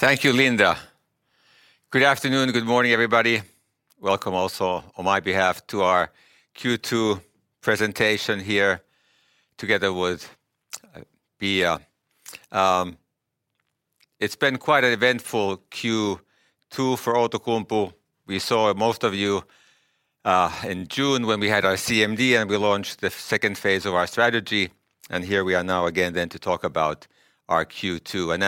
Thank you, Linda. Good afternoon, good morning, everybody. Welcome also on my behalf to our Q2 presentation here together with Pia. It's been quite an eventful Q2 for Outokumpu. We saw most of you in June when we had our CMD and we launched the second phase of our strategy, and here we are now again then to talk about our Q2.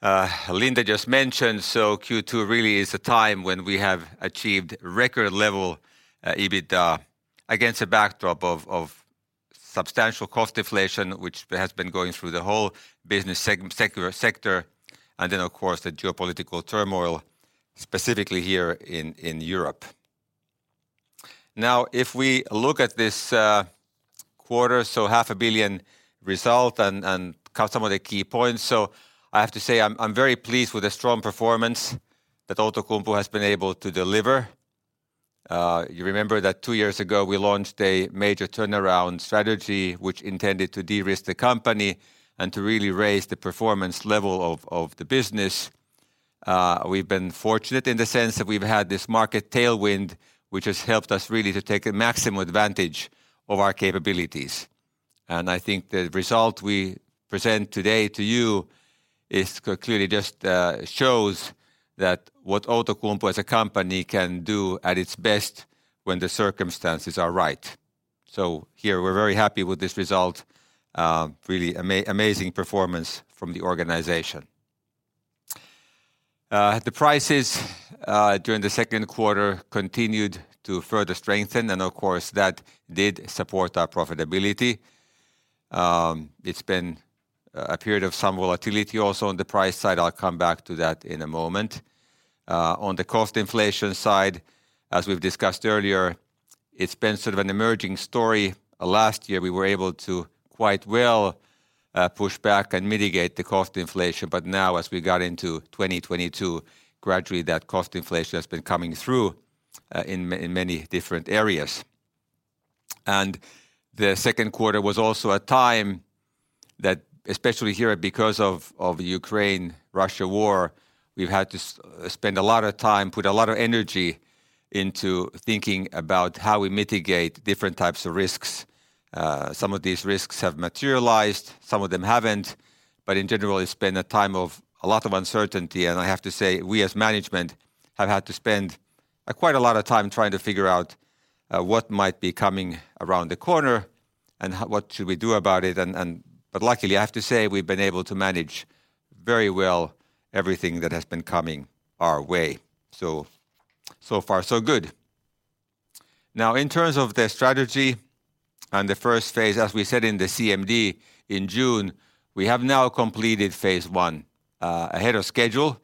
As Linda just mentioned, Q2 really is a time when we have achieved record level EBITDA against a backdrop of substantial cost deflation, which has been going through the whole business sector, and then of course, the geopolitical turmoil specifically here in Europe. Now, if we look at this quarter, EUR half a billion result and cover some of the key points. I have to say I'm very pleased with the strong performance that Outokumpu has been able to deliver. You remember that two years ago we launched a major turnaround strategy which intended to de-risk the company and to really raise the performance level of the business. We've been fortunate in the sense that we've had this market tailwind, which has helped us really to take maximum advantage of our capabilities. I think the result we present today to you is clearly just shows that what Outokumpu as a company can do at its best when the circumstances are right. Here we're very happy with this result, really amazing performance from the organization. The prices during the second quarter continued to further strengthen, and of course, that did support our profitability. It's been a period of some volatility also on the price side. I'll come back to that in a moment. On the cost inflation side, as we've discussed earlier, it's been sort of an emerging story. Last year, we were able to quite well push back and mitigate the cost inflation. Now as we got into 2022, gradually that cost inflation has been coming through in many different areas. The second quarter was also a time that especially here because of Ukraine-Russia war, we've had to spend a lot of time, put a lot of energy into thinking about how we mitigate different types of risks. Some of these risks have materialized, some of them haven't. In general, it's been a time of a lot of uncertainty. I have to say, we as management have had to spend quite a lot of time trying to figure out what might be coming around the corner and what should we do about it. But luckily, I have to say, we've been able to manage very well everything that has been coming our way. So far so good. Now, in terms of the strategy and the first phase, as we said in the CMD in June, we have now completed phase one ahead of schedule.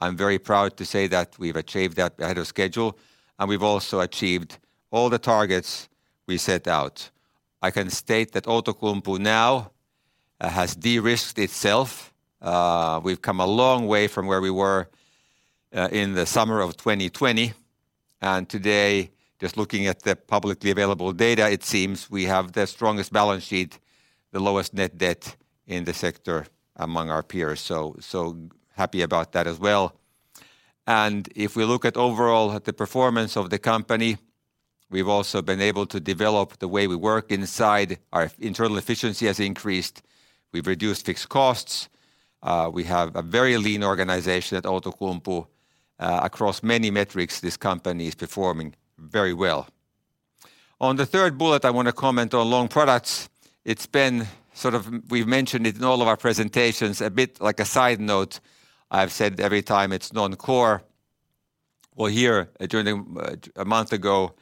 I'm very proud to say that we've achieved that ahead of schedule, and we've also achieved all the targets we set out. I can state that Outokumpu now has de-risked itself. We've come a long way from where we were in the summer of 2020. Today, just looking at the publicly available data, it seems we have the strongest balance sheet, the lowest net debt in the sector among our peers. So happy about that as well. If we look at overall the performance of the company, we've also been able to develop the way we work inside. Our internal efficiency has increased. We've reduced fixed costs. We have a very lean organization at Outokumpu. Across many metrics, this company is performing very well. On the third bullet, I wanna comment on Long Products. It's been sort of, we've mentioned it in all of our presentations, a bit like a side note. I've said every time it's non-core. Well, here, a month ago,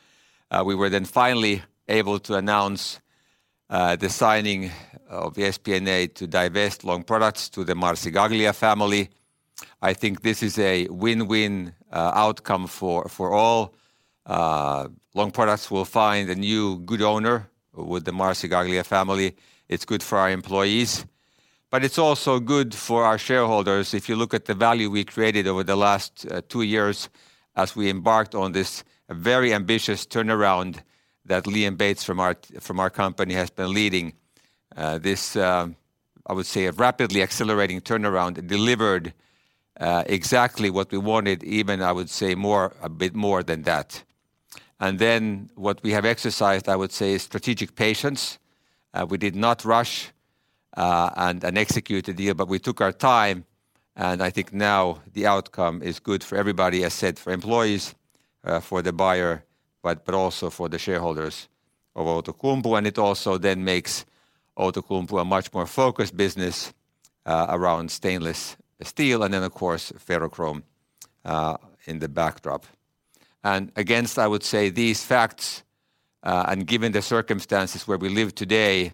we were then finally able to announce the signing of the SPA to divest Long Products to the Marcegaglia family. I think this is a win-win outcome for all. Long Products will find a new good owner with the Marcegaglia family. It's good for our employees, but it's also good for our shareholders. If you look at the value we created over the last two years as we embarked on this very ambitious turnaround that Liam Bates from our company has been leading, I would say a rapidly accelerating turnaround. It delivered exactly what we wanted, even I would say more, a bit more than that. Then what we have exercised, I would say, is strategic patience. We did not rush and execute the deal, but we took our time, and I think now the outcome is good for everybody. As said, for employees, for the buyer, but also for the shareholders of Outokumpu. It also then makes Outokumpu a much more focused business, around stainless steel and then of course ferrochrome, in the backdrop. Against, I would say, these facts, and given the circumstances where we live today,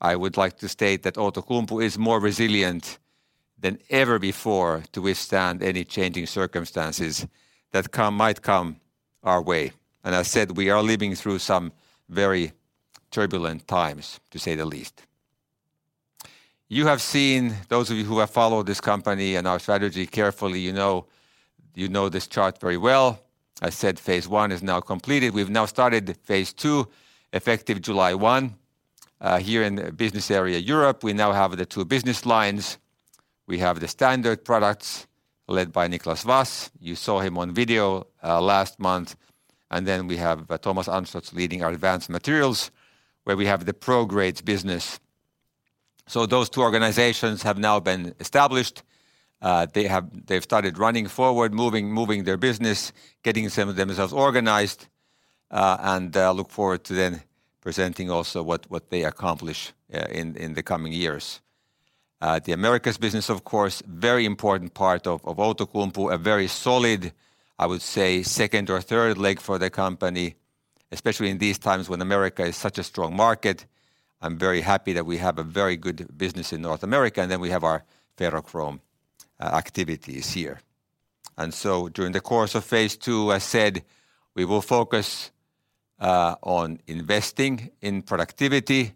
I would like to state that Outokumpu is more resilient than ever before to withstand any changing circumstances that come, might come our way. I said we are living through some very turbulent times, to say the least. You have seen, those of you who have followed this company and our strategy carefully, you know, you know this chart very well. I said phase one is now completed. We've now started phase two, effective July 1. Here in Business Area Europe, we now have the two business lines. We have the standard products led by Niklas Wass. You saw him on video, last month. We have Tamara Weinert leading our Advanced Materials, where we have the Prodec business. Those two organizations have now been established. They've started running forward, moving their business, getting some of themselves organized, and look forward to then presenting also what they accomplish in the coming years. The Americas business, of course, very important part of Outokumpu, a very solid, I would say, second or third leg for the company, especially in these times when America is such a strong market. I'm very happy that we have a very good business in North America, and then we have our ferrochrome activities here. During the course of phase two, as said, we will focus on investing in productivity.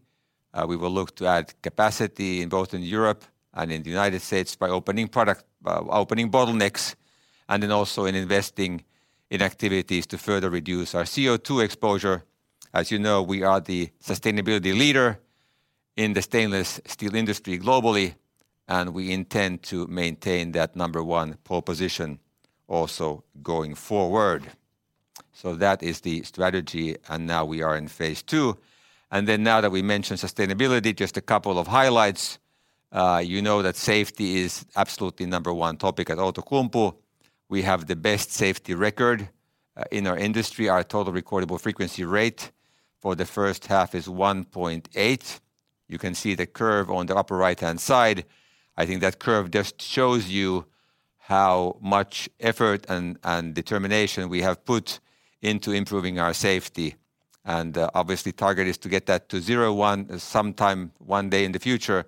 We will look to add capacity in both Europe and the United States by opening bottlenecks, and then also in investing in activities to further reduce our CO2 exposure. As you know, we are the sustainability leader in the stainless steel industry globally, and we intend to maintain that number one pole position also going forward. That is the strategy, and now we are in phase two. Now that we mentioned sustainability, just a couple of highlights. You know that safety is absolutely number one topic at Outokumpu. We have the best safety record in our industry. Our total recordable frequency rate for the first half is 1.8. You can see the curve on the upper right-hand side. I think that curve just shows you how much effort and determination we have put into improving our safety. Obviously the target is to get that to zero one day sometime in the future.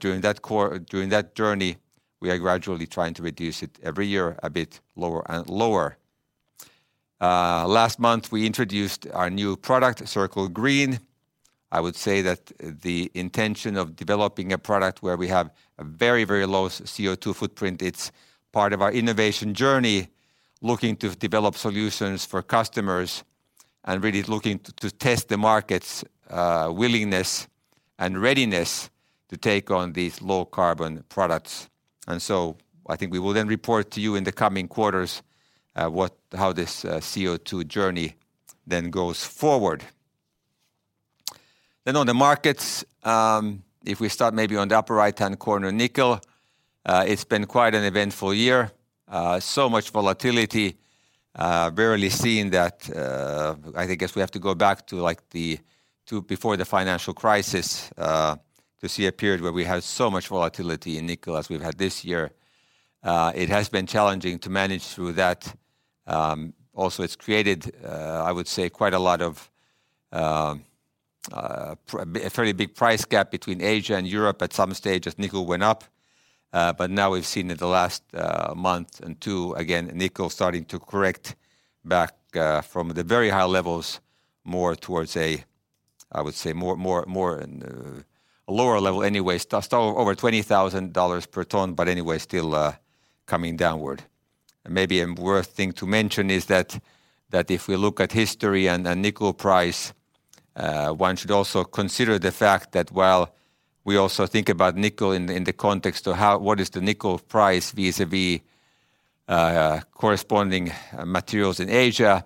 During that journey, we are gradually trying to reduce it every year a bit lower and lower. Last month we introduced our new product, Circle Green. I would say that the intention of developing a product where we have a very, very low CO2 footprint, it's part of our innovation journey, looking to develop solutions for customers and really looking to test the market's willingness and readiness to take on these low carbon products. I think we will then report to you in the coming quarters how this CO2 journey then goes forward. On the markets, if we start maybe on the upper right-hand corner, nickel, it's been quite an eventful year. Much volatility, barely seen that, I think as we have to go back to like to before the financial crisis, to see a period where we have so much volatility in nickel as we've had this year. It has been challenging to manage through that. Also it's created, I would say quite a lot of, a fairly big price gap between Asia and Europe at some stage as nickel went up. Now we've seen in the last month or two, again, nickel starting to correct back from the very high levels more towards a, I would say more, a lower level anyway. Still over $20,000 per ton, but anyway, still coming downward. Maybe a worthwhile thing to mention is that if we look at history and the nickel price, one should also consider the fact that while we also think about nickel in the context of what is the nickel price vis-à-vis corresponding materials in Asia,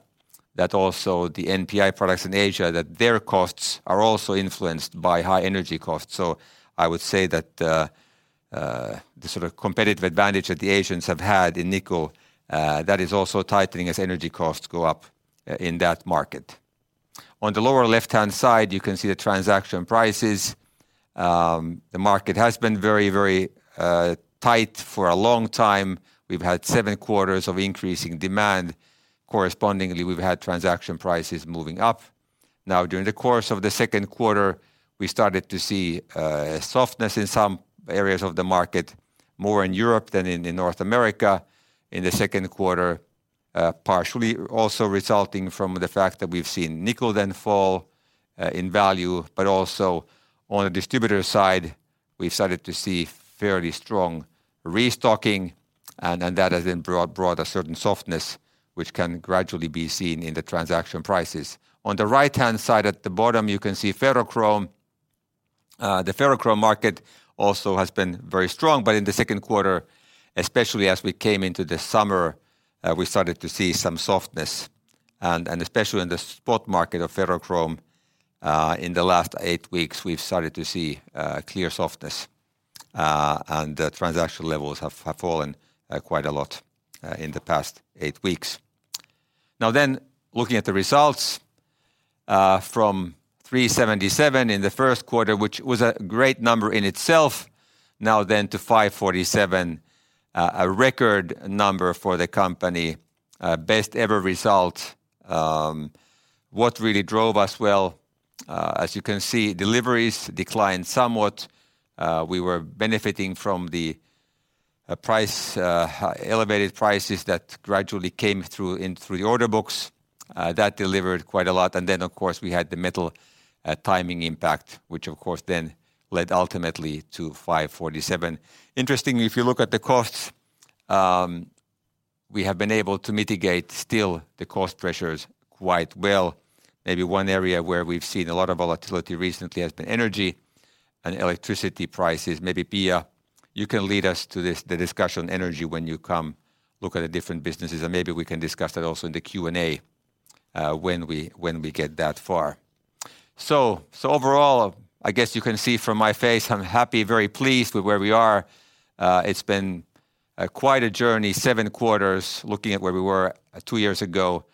that also the NPI products in Asia, that their costs are also influenced by high energy costs. I would say that the sort of competitive advantage that the Asians have had in nickel, that is also tightening as energy costs go up in that market. On the lower left-hand side, you can see the transaction prices. The market has been very tight for a long time. We've had 7 quarters of increasing demand. Correspondingly, we've had transaction prices moving up. Now, during the course of the second quarter, we started to see a softness in some areas of the market, more in Europe than in North America in the second quarter, partially also resulting from the fact that we've seen nickel then fall in value. But also on the distributor side, we started to see fairly strong restocking, and that has then brought a certain softness, which can gradually be seen in the transaction prices. On the right-hand side at the bottom, you can see ferrochrome. The ferrochrome market also has been very strong. But in the second quarter, especially as we came into the summer, we started to see some softness, and especially in the spot market of ferrochrome, in the last eight weeks, we've started to see clear softness. The transaction levels have fallen quite a lot in the past 8 weeks. Now then, looking at the results from 377 in the first quarter, which was a great number in itself. Now then to 547, a record number for the company, best ever result. What really drove us well, as you can see, deliveries declined somewhat. We were benefiting from the price, elevated prices that gradually came through the order books, that delivered quite a lot. Of course, we had the metal timing impact, which of course then led ultimately to 547. Interestingly, if you look at the costs, we have been able to mitigate still the cost pressures quite well. Maybe one area where we've seen a lot of volatility recently has been energy and electricity prices. Maybe, Pia, you can lead us to this, the discussion on energy when you come look at the different businesses, and maybe we can discuss that also in the Q&A, when we get that far. Overall, I guess you can see from my face I'm happy, very pleased with where we are. It's been quite a journey, 7 quarters looking at where we were 2 years ago.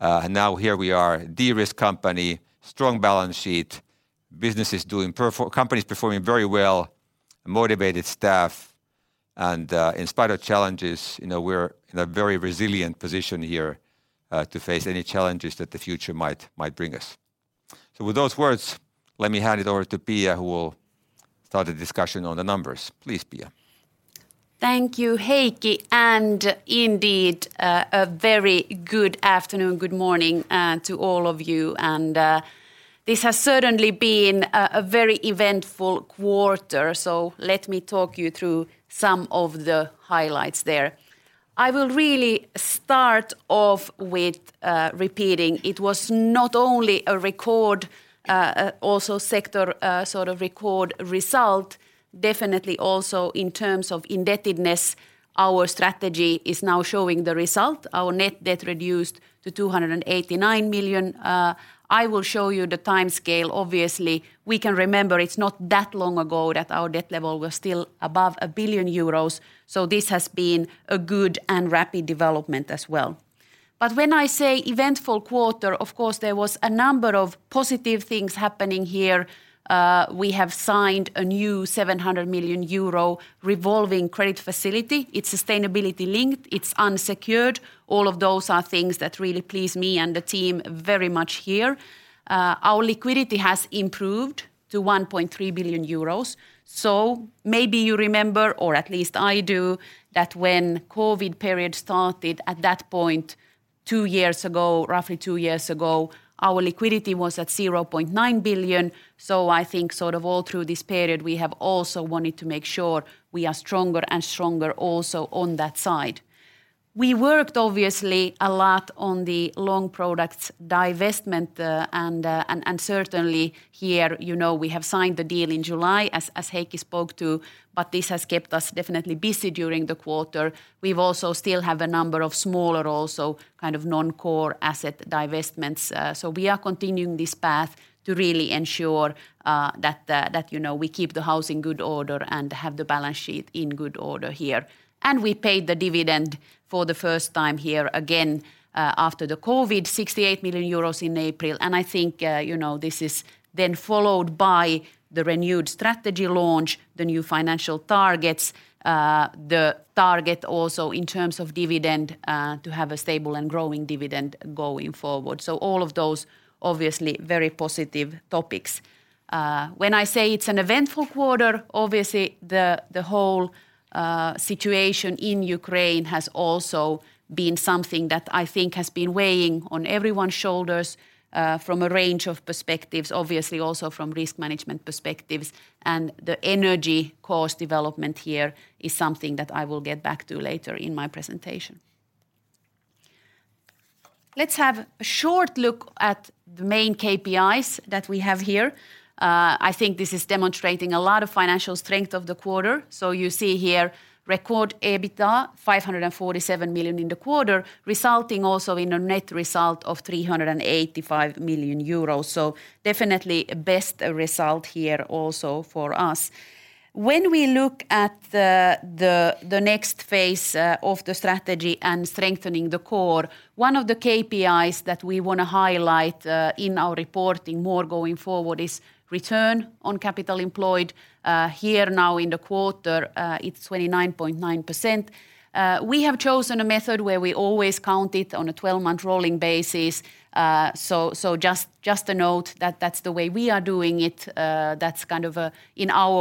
Now here we are de-risked company, strong balance sheet, businesses, companies performing very well, motivated staff. In spite of challenges, you know, we're in a very resilient position here to face any challenges that the future might bring us. With those words, let me hand it over to Pia, who will start a discussion on the numbers. Please, Pia. Thank you, Heikki. Indeed, very good afternoon, good morning, to all of you. This has certainly been very eventful quarter. Let me talk you through some of the highlights there. I will really start off with repeating it was not only a record, also sector sort of record result, definitely also in terms of indebtedness, our strategy is now showing the result. Our net debt reduced to 289 million. I will show you the timescale. Obviously, we can remember it's not that long ago that our debt level was still above 1 billion euros, this has been a good and rapid development as well. When I say eventful quarter, of course there was a number of positive things happening here. We have signed a new 700 million euro revolving credit facility. It's sustainability-linked, it's unsecured. All of those are things that really please me and the team very much here. Our liquidity has improved to 1.3 billion euros. Maybe you remember, or at least I do, that when COVID period started, at that point, two years ago, roughly two years ago, our liquidity was at 0.9 billion. I think sort of all through this period, we have also wanted to make sure we are stronger and stronger also on that side. We worked obviously a lot on the Long Products divestment, and certainly here, you know, we have signed the deal in July, as Heikki spoke to, but this has kept us definitely busy during the quarter. We also have a number of smaller kind of non-core asset divestments. We are continuing this path to really ensure that you know we keep the house in good order and have the balance sheet in good order here. We paid the dividend for the first time here again after the COVID, 68 million euros in April. I think you know this is then followed by the renewed strategy launch, the new financial targets, the target also in terms of dividend to have a stable and growing dividend going forward. All of those obviously very positive topics. When I say it's an eventful quarter, obviously the whole situation in Ukraine has also been something that I think has been weighing on everyone's shoulders, from a range of perspectives, obviously also from risk management perspectives. The energy cost development here is something that I will get back to later in my presentation. Let's have a short look at the main KPIs that we have here. I think this is demonstrating a lot of financial strength of the quarter. You see here record EBITDA, 547 million in the quarter, resulting also in a net result of 385 million euros. Definitely best result here also for us. When we look at the next phase of the strategy and strengthening the core, one of the KPIs that we wanna highlight in our reporting more going forward is Return on Capital Employed. Here now in the quarter, it's 29.9%. We have chosen a method where we always count it on a 12-month rolling basis. So just to note that that's the way we are doing it. That's kind of, in our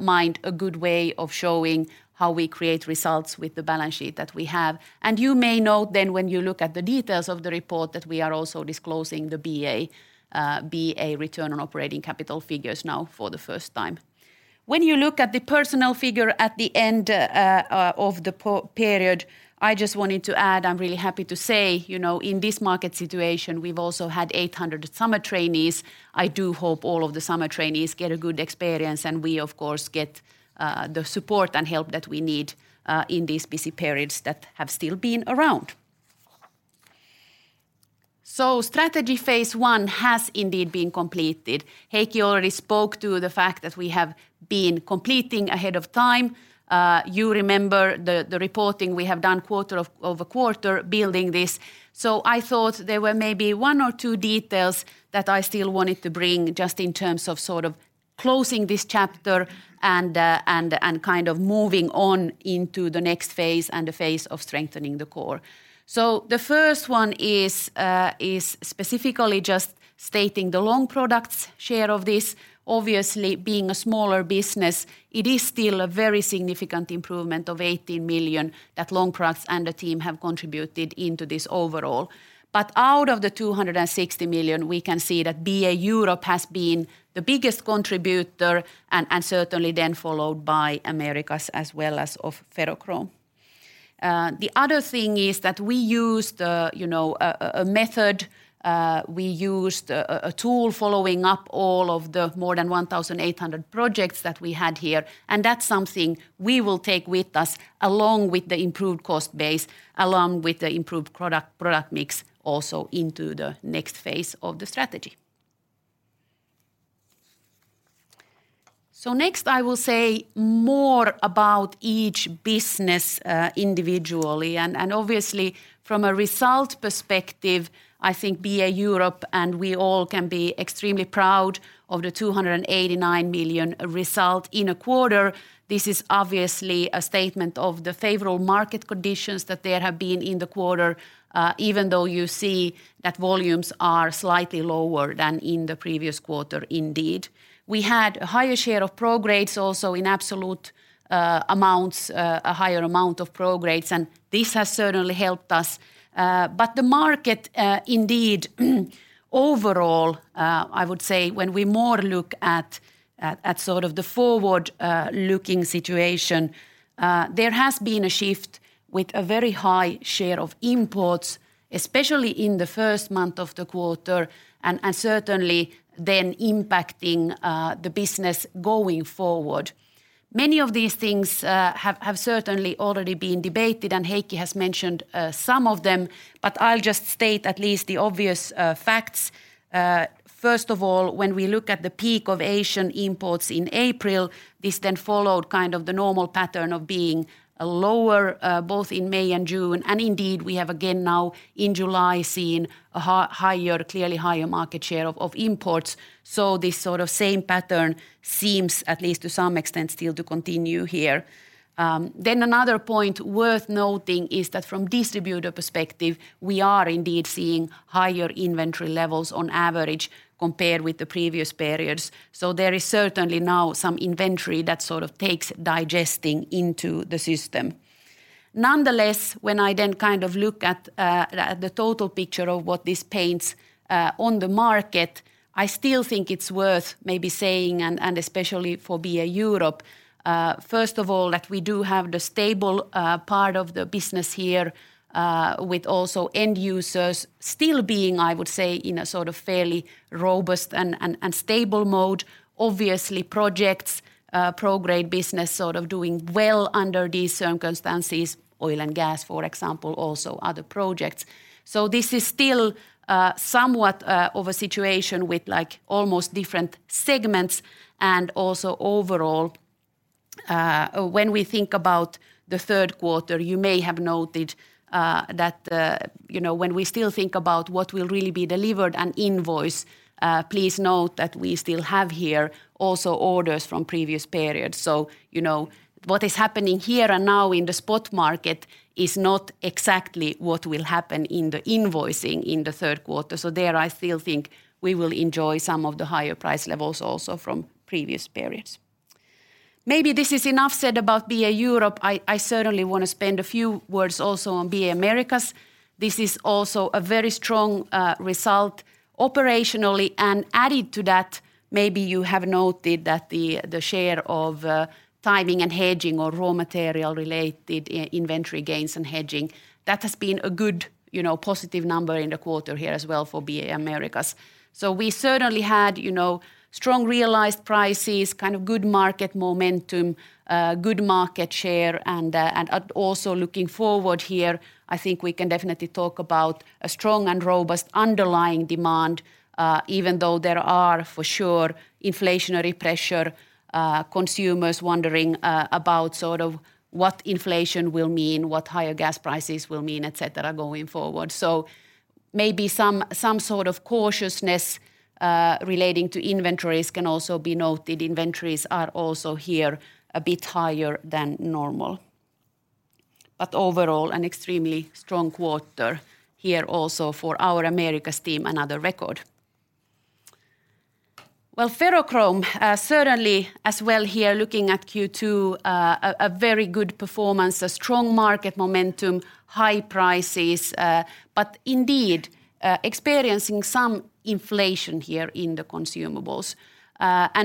mind, a good way of showing how we create results with the balance sheet that we have. You may note then when you look at the details of the report that we are also disclosing the BA return on operating capital figures now for the first time. When you look at the personnel figure at the end of the period, I just wanted to add, I'm really happy to say, you know, in this market situation, we've also had 800 summer trainees. I do hope all of the summer trainees get a good experience, and we of course get the support and help that we need in these busy periods that have still been around. Strategy phase one has indeed been completed. Heikki already spoke to the fact that we have been completing ahead of time. You remember the reporting we have done quarter by quarter building this. I thought there were maybe one or two details that I still wanted to bring just in terms of sort of closing this chapter and kind of moving on into the next phase and the phase of strengthening the core. The first one is specifically just stating the Long Products share of this. Obviously, being a smaller business, it is still a very significant improvement of 18 million that Long Products and the team have contributed into this overall. Out of the 260 million, we can see that BA Europe has been the biggest contributor and certainly then followed by Americas as well as Ferrochrome. The other thing is that we used, you know, a method, we used a tool following up all of the more than 1,800 projects that we had here, and that's something we will take with us along with the improved cost base, along with the improved product mix also into the next phase of the strategy. Next, I will say more about each business individually. Obviously from a result perspective, I think BA Europe and we all can be extremely proud of the 289 million result in a quarter. This is obviously a statement of the favorable market conditions that there have been in the quarter, even though you see that volumes are slightly lower than in the previous quarter indeed. We had a higher share of Prodec grades also in absolute amounts, a higher amount of Prodec grades, and this has certainly helped us. The market, indeed, overall, I would say when we more look at sort of the forward-looking situation, there has been a shift with a very high share of imports, especially in the first month of the quarter, and certainly then impacting the business going forward. Many of these things have certainly already been debated, and Heikki has mentioned some of them, but I'll just state at least the obvious facts. First of all, when we look at the peak of Asian imports in April, this then followed kind of the normal pattern of being lower, both in May and June. Indeed, we have again now in July seen a higher, clearly higher market share of imports. This sort of same pattern seems at least to some extent still to continue here. Another point worth noting is that from distributor perspective, we are indeed seeing higher inventory levels on average compared with the previous periods. There is certainly now some inventory that sort of takes digesting into the system. Nonetheless, when I then kind of look at the total picture of what this paints on the market, I still think it's worth maybe saying, and especially for BA Europe, first of all, that we do have the stable part of the business here, with also end users still being, I would say, in a sort of fairly robust and stable mode. Obviously projects, Prodec business sort of doing well under these circumstances, oil and gas, for example, also other projects. This is still somewhat of a situation with like almost different segments and also overall. When we think about the third quarter, you may have noted that you know when we still think about what will really be delivered and invoiced, please note that we still have here also orders from previous periods. You know what is happening here and now in the spot market is not exactly what will happen in the invoicing in the third quarter. There I still think we will enjoy some of the higher price levels also from previous periods. Maybe this is enough said about BA Europe. I certainly wanna spend a few words also on BA Americas. This is also a very strong result operationally. Added to that, maybe you have noted that the share of timing and hedging or raw material related inventory gains and hedging, that has been a good, you know, positive number in the quarter here as well for BA Americas. We certainly had, you know, strong realized prices, kind of good market momentum, good market share, and also looking forward here, I think we can definitely talk about a strong and robust underlying demand, even though there are for sure inflationary pressure, consumers wondering about sort of what inflation will mean, what higher gas prices will mean, et cetera, going forward. Maybe some sort of cautiousness relating to inventories can also be noted. Inventories are also here a bit higher than normal. Overall, an extremely strong quarter here also for our Americas team, another record. Well, Ferrochrome, certainly as well here looking at Q2, a very good performance, a strong market momentum, high prices, but indeed, experiencing some inflation here in the consumables.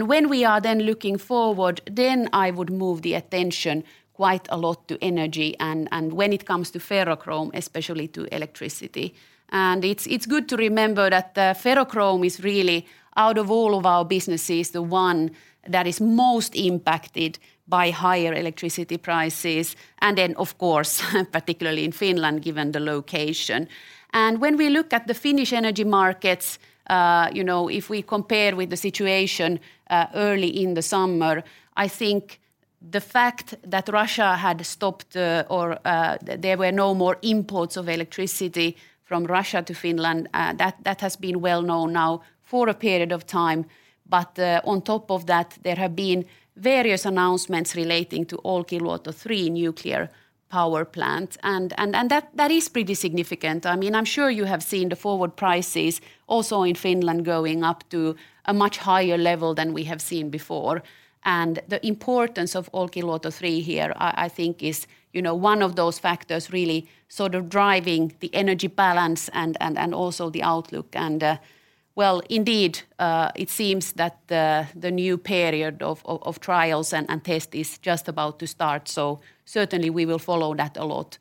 When we are then looking forward, then I would move the attention quite a lot to energy and when it comes to ferrochrome, especially to electricity. It's good to remember that ferrochrome is really out of all of our businesses, the one that is most impacted by higher electricity prices, and then of course, particularly in Finland, given the location. When we look at the Finnish energy markets, you know, if we compare with the situation early in the summer, I think the fact that there were no more imports of electricity from Russia to Finland, that has been well known now for a period of time. On top of that, there have been various announcements relating to Olkiluoto 3 nuclear power plant. That is pretty significant. I mean, I'm sure you have seen the forward prices also in Finland going up to a much higher level than we have seen before. The importance of Olkiluoto 3 here I think is, you know, one of those factors really sort of driving the energy balance and also the outlook. Well, indeed, it seems that the new period of trials and tests is just about to start, so certainly we will follow that a lot.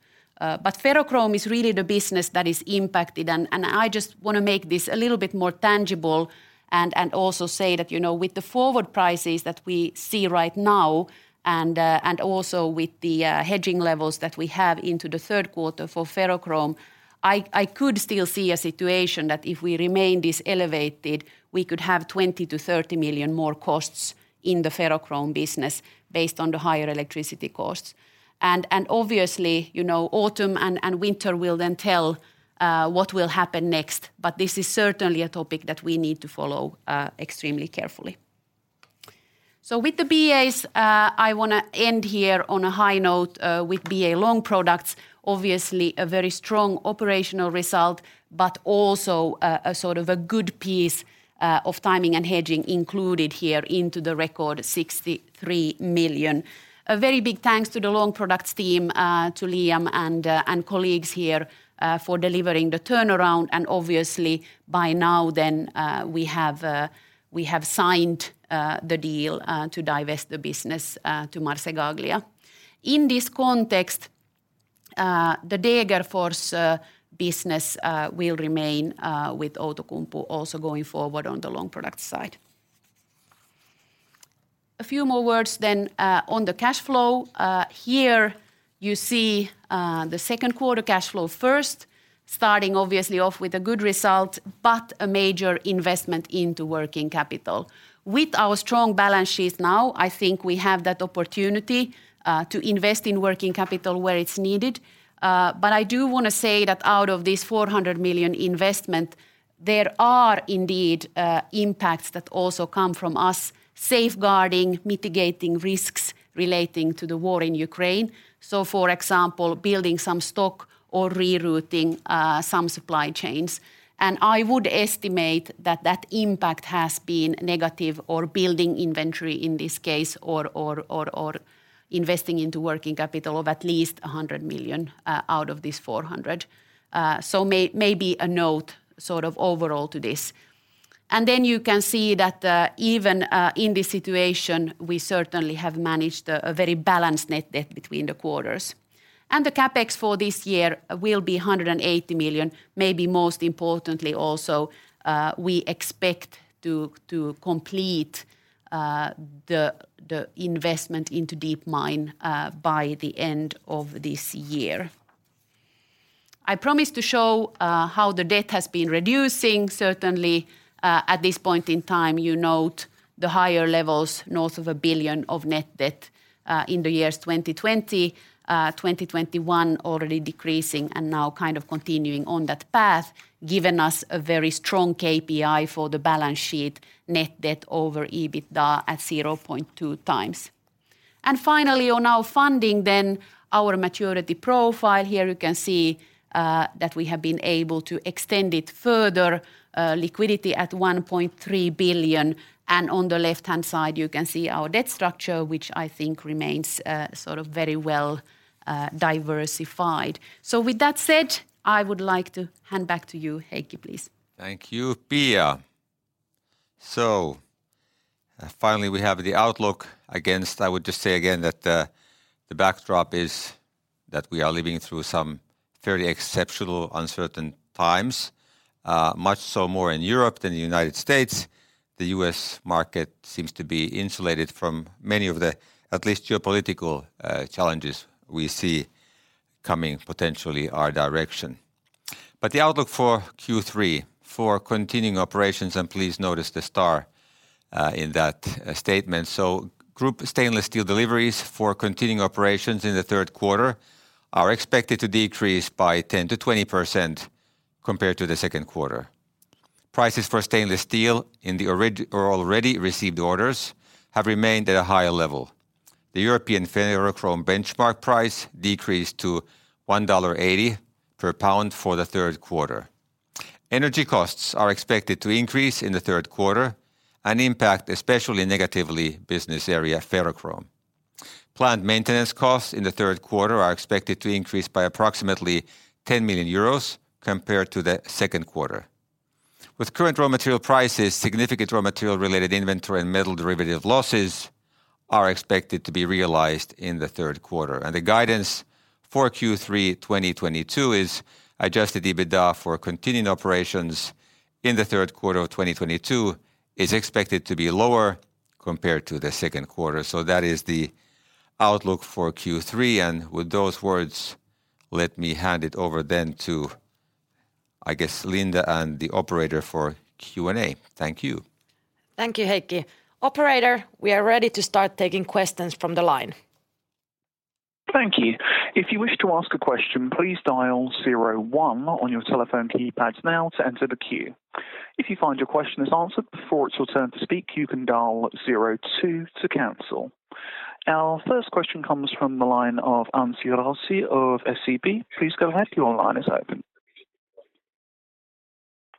Ferrochrome is really the business that is impacted and I just wanna make this a little bit more tangible and also say that, you know, with the forward prices that we see right now and also with the hedging levels that we have into the third quarter for ferrochrome, I could still see a situation that if we remain this elevated, we could have 20-30 million more costs in the ferrochrome business based on the higher electricity costs. Obviously, you know, autumn and winter will then tell what will happen next, but this is certainly a topic that we need to follow extremely carefully. With the BAs, I wanna end here on a high note with BA Long Products. Obviously a very strong operational result, but also a sort of good piece of timing and hedging included here into the record 63 million. A very big thanks to the Long Products team to Liam and colleagues here for delivering the turnaround, and obviously by now then we have signed the deal to divest the business to Marcegaglia. In this context, the Degerfors business will remain with Outokumpu also going forward on the Long Products side. A few more words, then, on the cash flow. Here you see the second quarter cash flow first, starting obviously off with a good result but a major investment into working capital. With our strong balance sheets now, I think we have that opportunity to invest in working capital where it's needed, but I do wanna say that out of this 400 million investment, there are indeed impacts that also come from us safeguarding, mitigating risks relating to the war in Ukraine, so for example building some stock or rerouting some supply chains. I would estimate that that impact has been negative or building inventory in this case or investing into working capital of at least 100 million out of this 400 million. Maybe a note sort of overall to this. Then you can see that, even, in this situation we certainly have managed a very balanced net debt between the quarters. The CapEx for this year will be 180 million. Maybe most importantly also, we expect to complete the investment into deep mine by the end of this year. I promised to show how the debt has been reducing. Certainly, at this point in time you note the higher levels north of 1 billion of net debt in the years 2020, 2021 already decreasing and now kind of continuing on that path, giving us a very strong KPI for the balance sheet, net debt over EBITDA at 0.2 times. Finally on our funding then, our maturity profile, here you can see that we have been able to extend it further, liquidity at 1.3 billion, and on the left-hand side you can see our debt structure, which I think remains sort of very well diversified. With that said, I would like to hand back to you, Heikki, please. Thank you, Pia. Finally we have the outlook. I would just say again that the backdrop is that we are living through some fairly exceptional uncertain times, much more so in Europe than the United States. The U.S. market seems to be insulated from many of the at least geopolitical challenges we see coming potentially our direction. The outlook for Q3 for continuing operations, and please notice the star in that statement. Group stainless steel deliveries for continuing operations in the third quarter are expected to decrease by 10%-20% compared to the second quarter. Prices for stainless steel in the already received orders have remained at a higher level. The European ferrochrome benchmark price decreased to $1.80 per pound for the third quarter. Energy costs are expected to increase in the third quarter and impact especially negatively Business Area Ferrochrome. Plant maintenance costs in the third quarter are expected to increase by approximately 10 million euros compared to the second quarter. With current raw material prices, significant raw material related inventory and metal derivative losses are expected to be realized in the third quarter. The guidance for Q3 2022 is adjusted EBITDA for continuing operations in the third quarter of 2022 is expected to be lower compared to the second quarter. That is the outlook for Q3. With those words, let me hand it over then to I guess Linda and the operator for Q&A. Thank you. Thank you, Heikki. Operator, we are ready to start taking questions from the line. Thank you. If you wish to ask a question, please dial zero one on your telephone keypads now to enter the queue. If you find your question is answered before it's your turn to speak, you can dial zero two to cancel. Our first question comes from the line of Anssi Raussi of SEB. Please go ahead. Your line is open.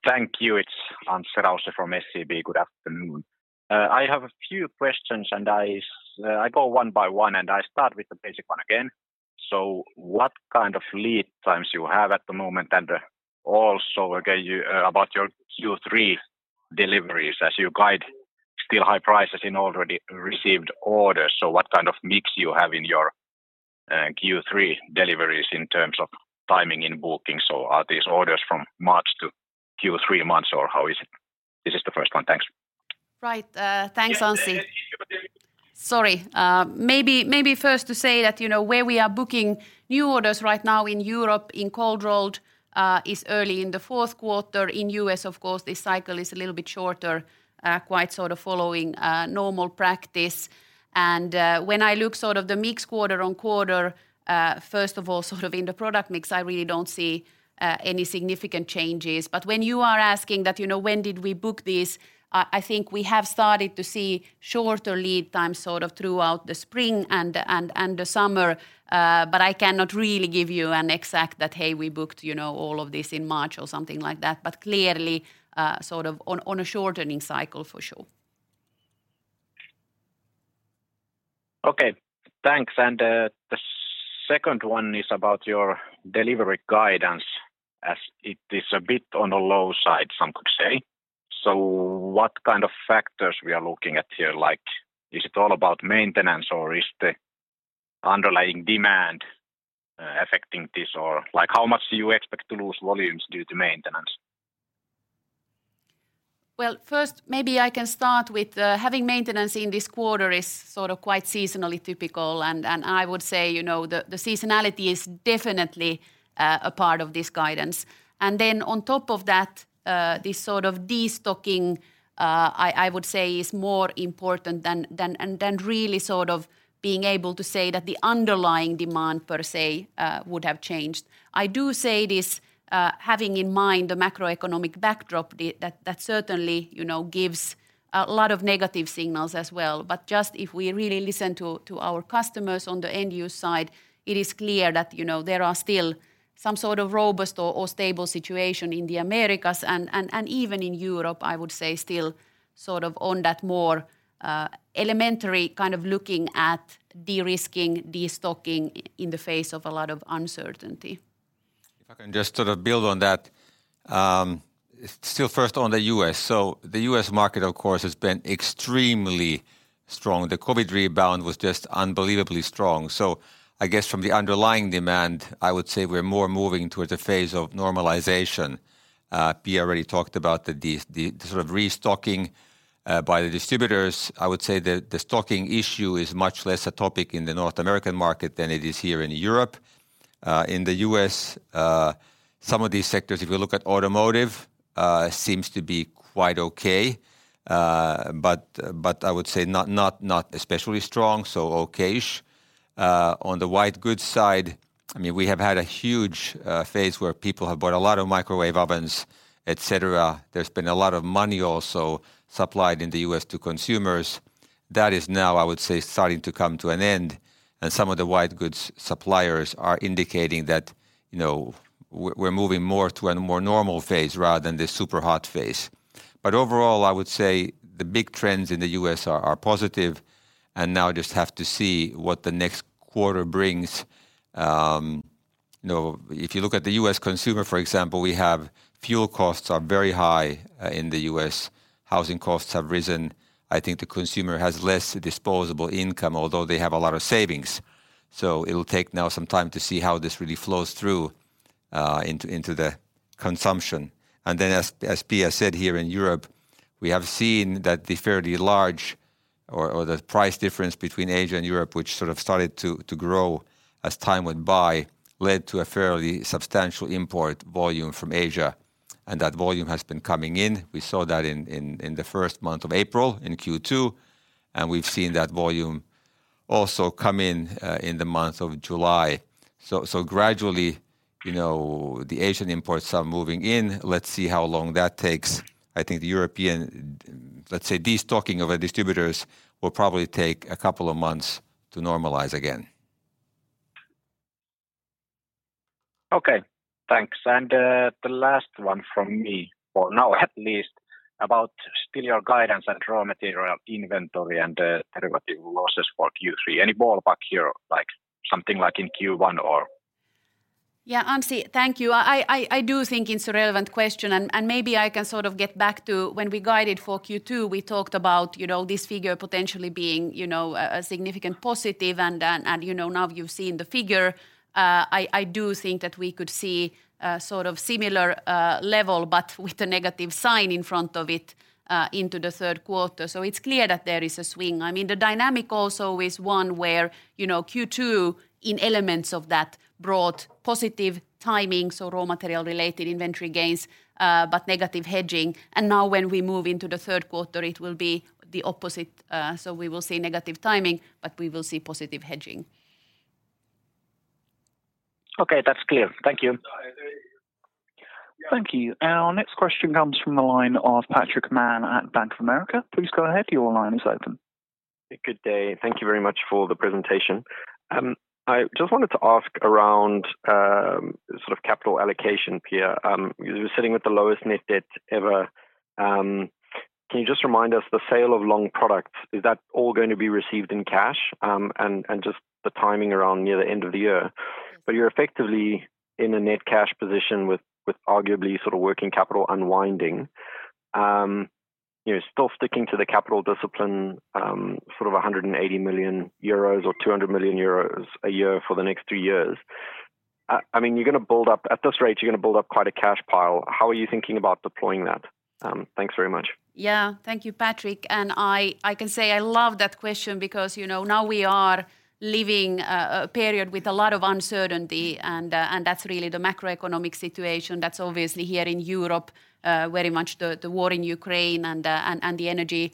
Thank you. It's Anssi Raussi from SEB. Good afternoon. I have a few questions, and I go one by one, and I start with the basic one again. What kind of lead times you have at the moment and, also, again, about your Q3 deliveries as you guide still high prices in already received orders. What kind of mix you have in your Q3 deliveries in terms of timing in bookings? Are these orders from March to Q3 months, or how is it? This is the first one. Thanks. Right. Thanks, Anssi. Yeah. Sorry. Maybe first to say that, you know, where we are booking new orders right now in Europe in cold rolled is early in the fourth quarter. In U.S., of course, the cycle is a little bit shorter, quite sort of following normal practice. When I look sort of the mix quarter-on-quarter, first of all, sort of in the product mix, I really don't see any significant changes. When you are asking that, you know, when did we book this, I think we have started to see shorter lead times sort of throughout the spring and the summer. I cannot really give you an exact that, "Hey, we booked, you know, all of this in March," or something like that. Clearly, sort of on a shortening cycle for sure. Okay. Thanks. The second one is about your delivery guidance as it is a bit on the low side, some could say. What kind of factors we are looking at here? Like, is it all about maintenance, or is the underlying demand affecting this? Or, like, how much do you expect to lose volumes due to maintenance? Well, first maybe I can start with having maintenance in this quarter is sort of quite seasonally typical. I would say, you know, the seasonality is definitely a part of this guidance. Then on top of that, this sort of destocking I would say is more important than really sort of being able to say that the underlying demand per se would have changed. I do say this having in mind the macroeconomic backdrop that certainly, you know, gives a lot of negative signals as well. Just if we really listen to our customers on the end use side, it is clear that, you know, there are still some sort of robust or stable situation in the Americas and even in Europe, I would say still sort of on that more elementary kind of looking at de-risking, destocking in the face of a lot of uncertainty. If I can just sort of build on that. Still first on the U.S. The U.S. market, of course, has been extremely strong. The COVID rebound was just unbelievably strong. I guess from the underlying demand, I would say we're more moving towards a phase of normalization. Pia already talked about the sort of restocking by the distributors. I would say the stocking issue is much less a topic in the North American market than it is here in Europe. In the US, some of these sectors, if you look at automotive, seems to be quite okay. But I would say not especially strong, so okay-ish. On the white goods side, I mean, we have had a huge phase where people have bought a lot of microwave ovens, et cetera. There's been a lot of money also supplied in the U.S. to consumers. That is now, I would say, starting to come to an end, and some of the white goods suppliers are indicating that, you know, we're moving more to a more normal phase rather than the super hot phase. Overall, I would say the big trends in the U.S. are positive and now just have to see what the next quarter brings. You know, if you look at the U.S. consumer, for example, we have fuel costs are very high in the US. Housing costs have risen. I think the consumer has less disposable income, although they have a lot of savings. It'll take now some time to see how this really flows through into the consumption. As Pia said, here in Europe, we have seen that the fairly large or the price difference between Asia and Europe, which sort of started to grow as time went by, led to a fairly substantial import volume from Asia, and that volume has been coming in. We saw that in the first month of April in Q2, and we've seen that volume also come in the month of July. Gradually, you know, the Asian imports are moving in. Let's see how long that takes. I think the European, let's say, destocking of our distributors will probably take a couple of months to normalize again. Okay. Thanks. The last one from me for now at least about still your guidance and raw material inventory and derivative losses for Q3. Any ballpark here, like something like in Q1 or? Yeah, Anssi, thank you. I do think it's a relevant question, and maybe I can sort of get back to when we guided for Q2. We talked about, you know, this figure potentially being, you know, a significant positive, and you know, now you've seen the figure. I do think that we could see a sort of similar level, but with a negative sign in front of it, into the third quarter. It's clear that there is a swing. I mean, the dynamic also is one where, you know, Q2 in elements of that brought positive timing, so raw material related inventory gains, but negative hedging. Now when we move into the third quarter, it will be the opposite. We will see negative timing, but we will see positive hedging. Okay. That's clear. Thank you. Thank you. Our next question comes from the line of Patrick Mann at Bank of America. Please go ahead. Your line is open. Good day. Thank you very much for the presentation. I just wanted to ask about, sort of capital allocation, Pia. You're sitting with the lowest net debt ever. Can you just remind us the sale of Long Products, is that all going to be received in cash? Just the timing around near the end of the year. You're effectively in a net cash position with arguably sort of working capital unwinding. You're still sticking to the capital discipline, sort of 180 million euros or 200 million euros a year for the next two years. I mean, at this rate, you're gonna build up quite a cash pile. How are you thinking about deploying that? Thanks very much. Yeah. Thank you, Patrick. I can say I love that question because, you know, now we are living a period with a lot of uncertainty and that's really the macroeconomic situation that's obviously here in Europe, very much the war in Ukraine and the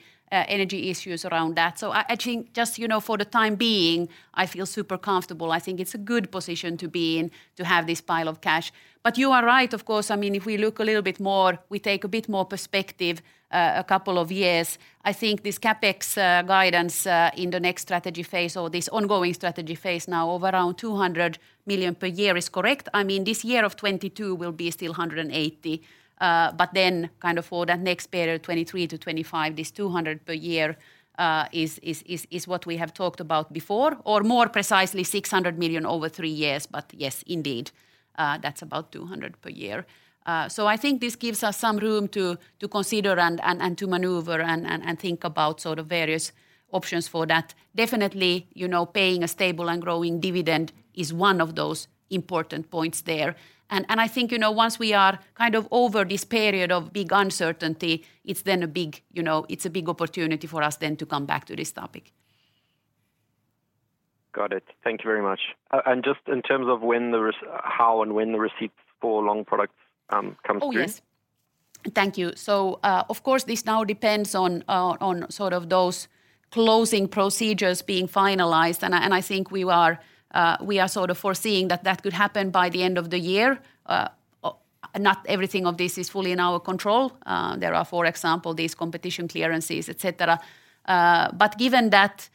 energy issues around that. I think just, you know, for the time being, I feel super comfortable. I think it's a good position to be in to have this pile of cash. You are right, of course. I mean, if we look a little bit more, we take a bit more perspective, a couple of years, I think this CapEx guidance in the next strategy phase or this ongoing strategy phase now of around 200 million per year is correct. I mean, this year, 2022, will be still 180 million. But then kind of for that next period, 2023-2025, this 200 per year is what we have talked about before, or more precisely 600 million over three years. Yes, indeed, that's about 200 per year. I think this gives us some room to consider and to maneuver and think about sort of various options for that. Definitely, you know, paying a stable and growing dividend is one of those important points there. I think, you know, once we are kind of over this period of big uncertainty, it's a big opportunity for us to come back to this topic. Got it. Thank you very much. Just in terms of how and when the receipts for Long Products comes through. Oh, yes. Thank you. Of course, this now depends on sort of those closing procedures being finalized, and I think we are sort of foreseeing that that could happen by the end of the year. Not everything of this is fully in our control. There are, for example, these competition clearances, et cetera. Given that,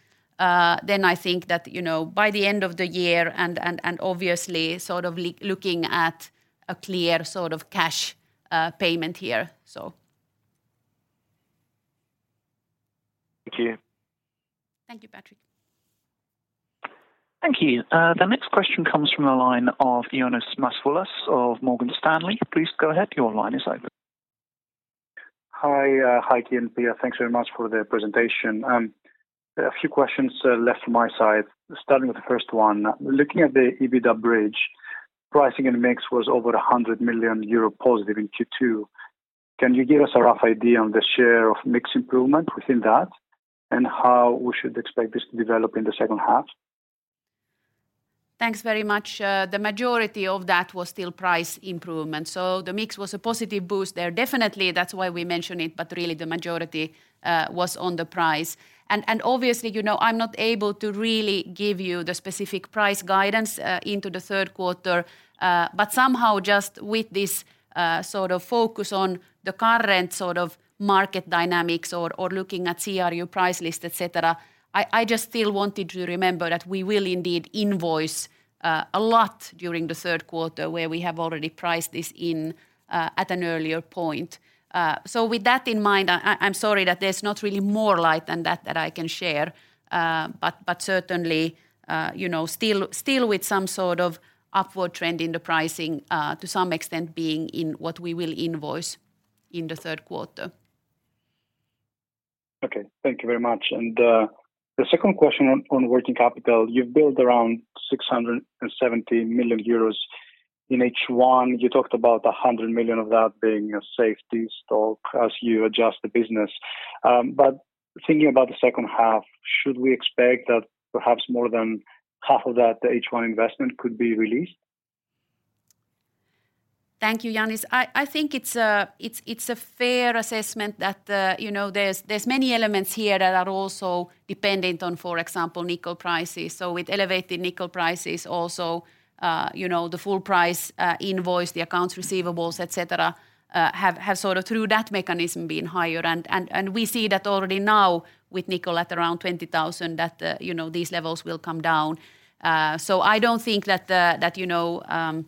then I think that, you know, by the end of the year and obviously sort of looking at a clear sort of cash payment here. Thank you. Thank you, Patrick. Thank you. The next question comes from the line of Ioannis Masvoulas of Morgan Stanley. Please go ahead. Your line is open. Hi. Heikki and Pia. Thanks very much for the presentation. A few questions left from my side. Starting with the first one. Looking at the EBITDA bridge, pricing and mix was over 100 million euro positive in Q2. Can you give us a rough idea on the share of mix improvement within that and how we should expect this to develop in the second half? Thanks very much. The majority of that was still price improvement, so the mix was a positive boost there. Definitely, that's why we mention it, but really the majority was on the price. Obviously, you know, I'm not able to really give you the specific price guidance into the third quarter, but somehow just with this sort of focus on the current sort of market dynamics or looking at CRU price list, et cetera, I just still want you to remember that we will indeed invoice a lot during the third quarter, where we have already priced this in at an earlier point. With that in mind, I'm sorry that there's not really more light than that that I can share. Certainly, you know, still with some sort of upward trend in the pricing, to some extent being in what we will invoice in the third quarter. Okay. Thank you very much. The second question on working capital. You've built around 670 million euros in H1. You talked about 100 million of that being a safety stock as you adjust the business. But thinking about the second half, should we expect that perhaps more than half of that, the H1 investment could be released? Thank you, Ioannis. I think it's a fair assessment that, you know, there's many elements here that are also dependent on, for example, nickel prices. With elevated nickel prices also, you know, the full price invoice, the accounts receivables, et cetera, have sort of through that mechanism been higher. We see that already now with nickel at around $20,000, you know, these levels will come down. I don't think that, you know,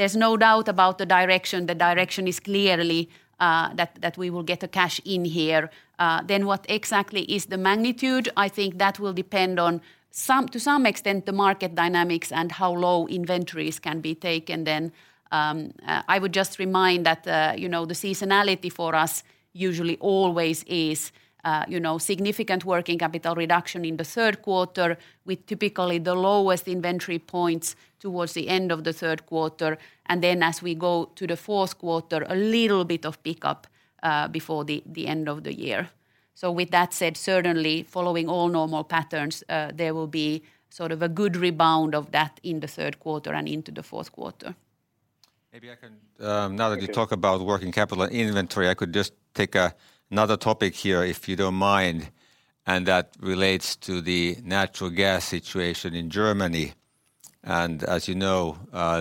there's no doubt about the direction. The direction is clearly that we will get the cash in here. What exactly is the magnitude? I think that will depend on to some extent, the market dynamics and how low inventories can be taken then. I would just remind that, you know, the seasonality for us usually always is, you know, significant working capital reduction in the third quarter with typically the lowest inventory points towards the end of the third quarter. Then as we go to the fourth quarter, a little bit of pickup before the end of the year. With that said, certainly following all normal patterns, there will be sort of a good rebound of that in the third quarter and into the fourth quarter. Maybe I can. Okay... now that you talk about working capital inventory, I could just take another topic here, if you don't mind, and that relates to the natural gas situation in Germany. As you know,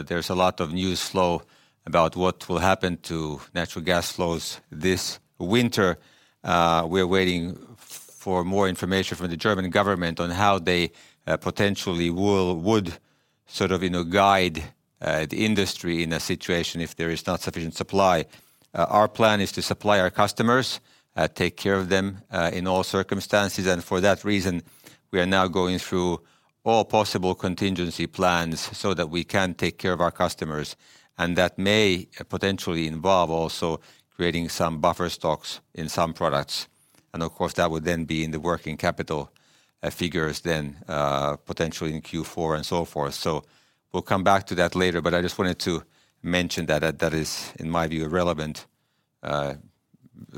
there's a lot of news flow about what will happen to natural gas flows this winter. We're waiting For more information from the German government on how they potentially would sort of, you know, guide the industry in a situation if there is not sufficient supply. Our plan is to supply our customers, take care of them, in all circumstances. For that reason, we are now going through all possible contingency plans so that we can take care of our customers. That may potentially involve also creating some buffer stocks in some products. Of course, that would then be in the working capital figures then, potentially in Q4 and so forth. We'll come back to that later. I just wanted to mention that that is in my view a relevant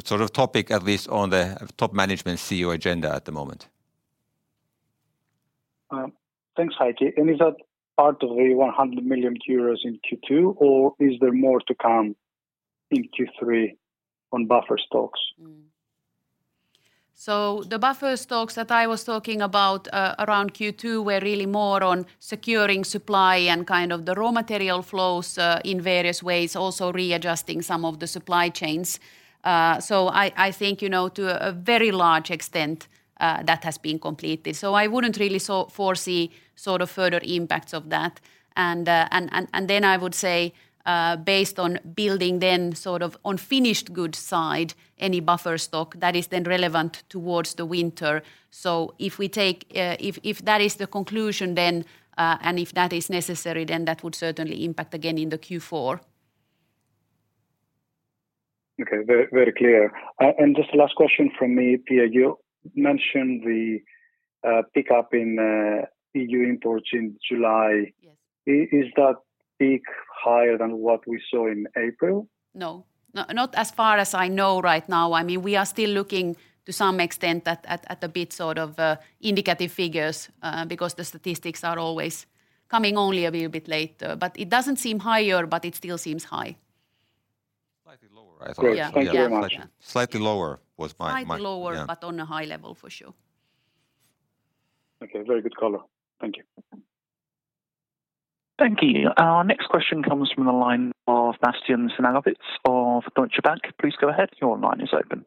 sort of topic, at least on the top management CEO agenda at the moment. Thanks, Heikki. Is that part of the 100 million euros in Q2, or is there more to come in Q3 on buffer stocks? The buffer stocks that I was talking about around Q2 were really more on securing supply and kind of the raw material flows in various ways, also readjusting some of the supply chains. I think, you know, to a very large extent, that has been completed. I wouldn't really foresee sort of further impacts of that. I would say, based on building then sort of on finished goods side, any buffer stock that is then relevant towards the winter. If we take, if that is the conclusion then, and if that is necessary, then that would certainly impact again in the Q4. Okay. Very, very clear. Just the last question from me, Pia. You mentioned the pickup in EU imports in July. Yes. Is that peak higher than what we saw in April? No. Not as far as I know right now. I mean, we are still looking to some extent at a bit sort of indicative figures, because the statistics are always coming only a little bit later. It doesn't seem higher, but it still seems high. Slightly lower, I thought. Great. Thank you very much. Yeah. Yeah. Yeah. Slightly lower was my. Slightly lower. Yeah on a high level for sure. Okay. Very good color. Thank you. Thank you. Our next question comes from the line of Bastian Synagowitz of Deutsche Bank. Please go ahead. Your line is open.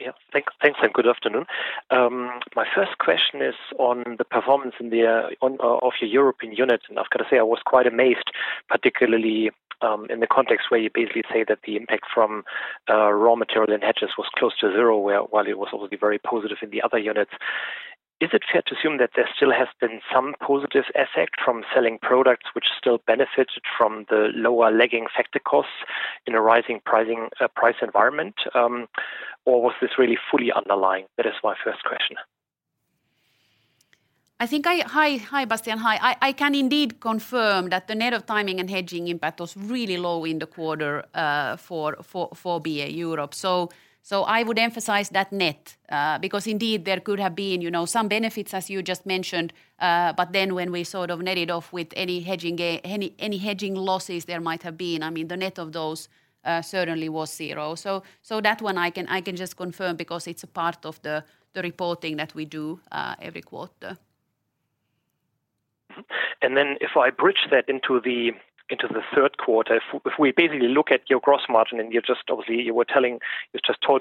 Yeah. Thanks, and good afternoon. My first question is on the performance of your European units. I've gotta say, I was quite amazed, particularly in the context where you basically say that the impact from raw material and hedges was close to zero, while it was already very positive in the other units. Is it fair to assume that there still has been some positive effect from selling products which still benefited from the lower lagging factor costs in a rising price environment? Or was this really fully underlying? That is my first question. Hi, Bastian. I can indeed confirm that the net of timing and hedging impact was really low in the quarter for BA Europe. I would emphasize that net because indeed there could have been, you know, some benefits as you just mentioned. But then when we sort of net it off with any hedging losses there might have been, I mean, the net of those certainly was zero. That one I can just confirm because it's a part of the reporting that we do every quarter. Mm-hmm. If I bridge that into the third quarter, if we basically look at your gross margin, and you've just told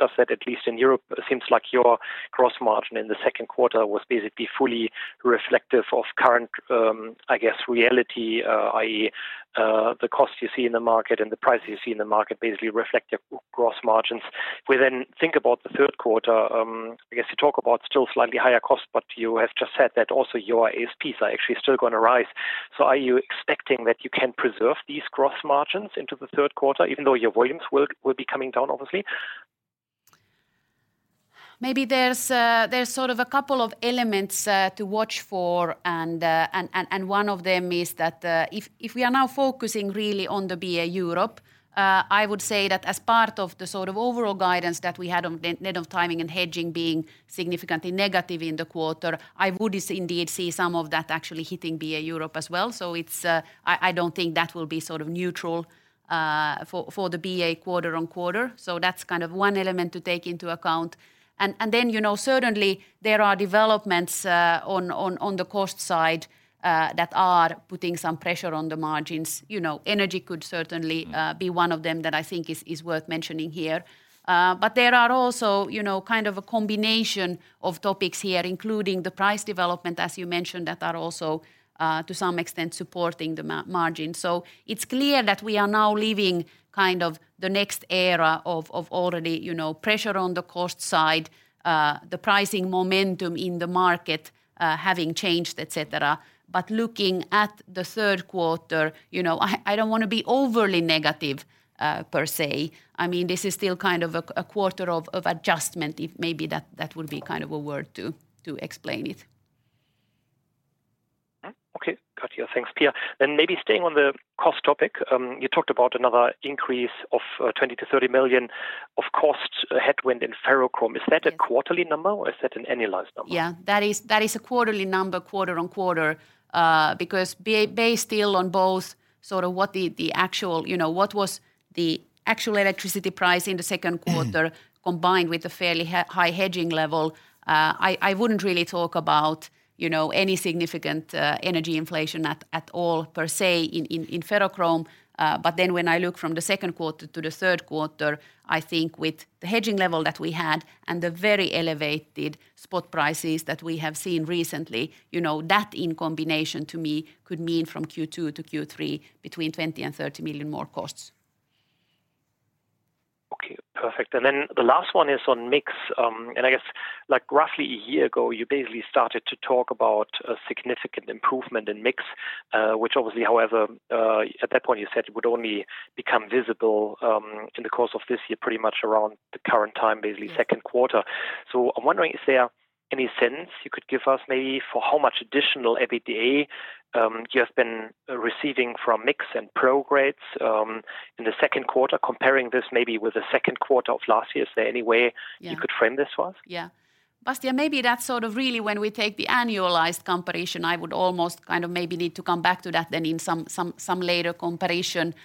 us that at least in Europe, it seems like your gross margin in the second quarter was basically fully reflective of current, I guess, reality, i.e., the cost you see in the market and the price you see in the market basically reflect your gross margins. We then think about the third quarter, I guess you talk about still slightly higher cost, but you have just said that also your ASPs are actually still gonna rise. Are you expecting that you can preserve these gross margins into the third quarter, even though your volumes will be coming down, obviously? Maybe there's sort of a couple of elements to watch for. One of them is that if we are now focusing really on the BA Europe, I would say that as part of the sort of overall guidance that we had on the net of timing and hedging being significantly negative in the quarter, I would indeed see some of that actually hitting BA Europe as well. I don't think that will be sort of neutral for the BA quarter-on-quarter. That's kind of one element to take into account. Then, you know, certainly there are developments on the cost side that are putting some pressure on the margins. You know, energy could certainly. Mm Be one of them that I think is worth mentioning here. There are also, you know, kind of a combination of topics here, including the price development, as you mentioned, that are also, to some extent supporting the margin. It's clear that we are now living kind of the next era of already, you know, pressure on the cost side, the pricing momentum in the market, having changed, et cetera. Looking at the third quarter, you know, I don't wanna be overly negative, per se. I mean, this is still kind of a quarter of adjustment, if maybe that would be kind of a word to explain it. Okay. Got you. Thanks, Pia. Maybe staying on the cost topic, you talked about another increase of 20 million-30 million of cost headwind in Ferrochrome. Yes. Is that a quarterly number or is that an annualized number? Yeah. That is a quarterly number, quarter on quarter. Because BA still on both sort of what the actual, you know, what was the actual electricity price in the second quarter. Mm-hmm Combined with the fairly high hedging level, I wouldn't really talk about, you know, any significant energy inflation at all per se in ferrochrome. When I look from the second quarter to the third quarter, I think with the hedging level that we had and the very elevated spot prices that we have seen recently, you know, that in combination to me could mean from Q2 to Q3 between 20 million and 30 million more costs. Okay, perfect. Then the last one is on mix. I guess, like roughly a year ago, you basically started to talk about a significant improvement in mix, which obviously however, at that point you said it would only become visible, in the course of this year pretty much around the current time, basically second quarter. Yeah. I'm wondering, is there any sense you could give us maybe for how much additional EBITDA you have been receiving from mix and pro grades in the second quarter comparing this maybe with the second quarter of last year? Is there any way- Yeah You could frame this for us? Yeah. Yeah, maybe that's sort of really when we take the annualized comparison, I would almost kind of maybe need to come back to that then in some later comparison,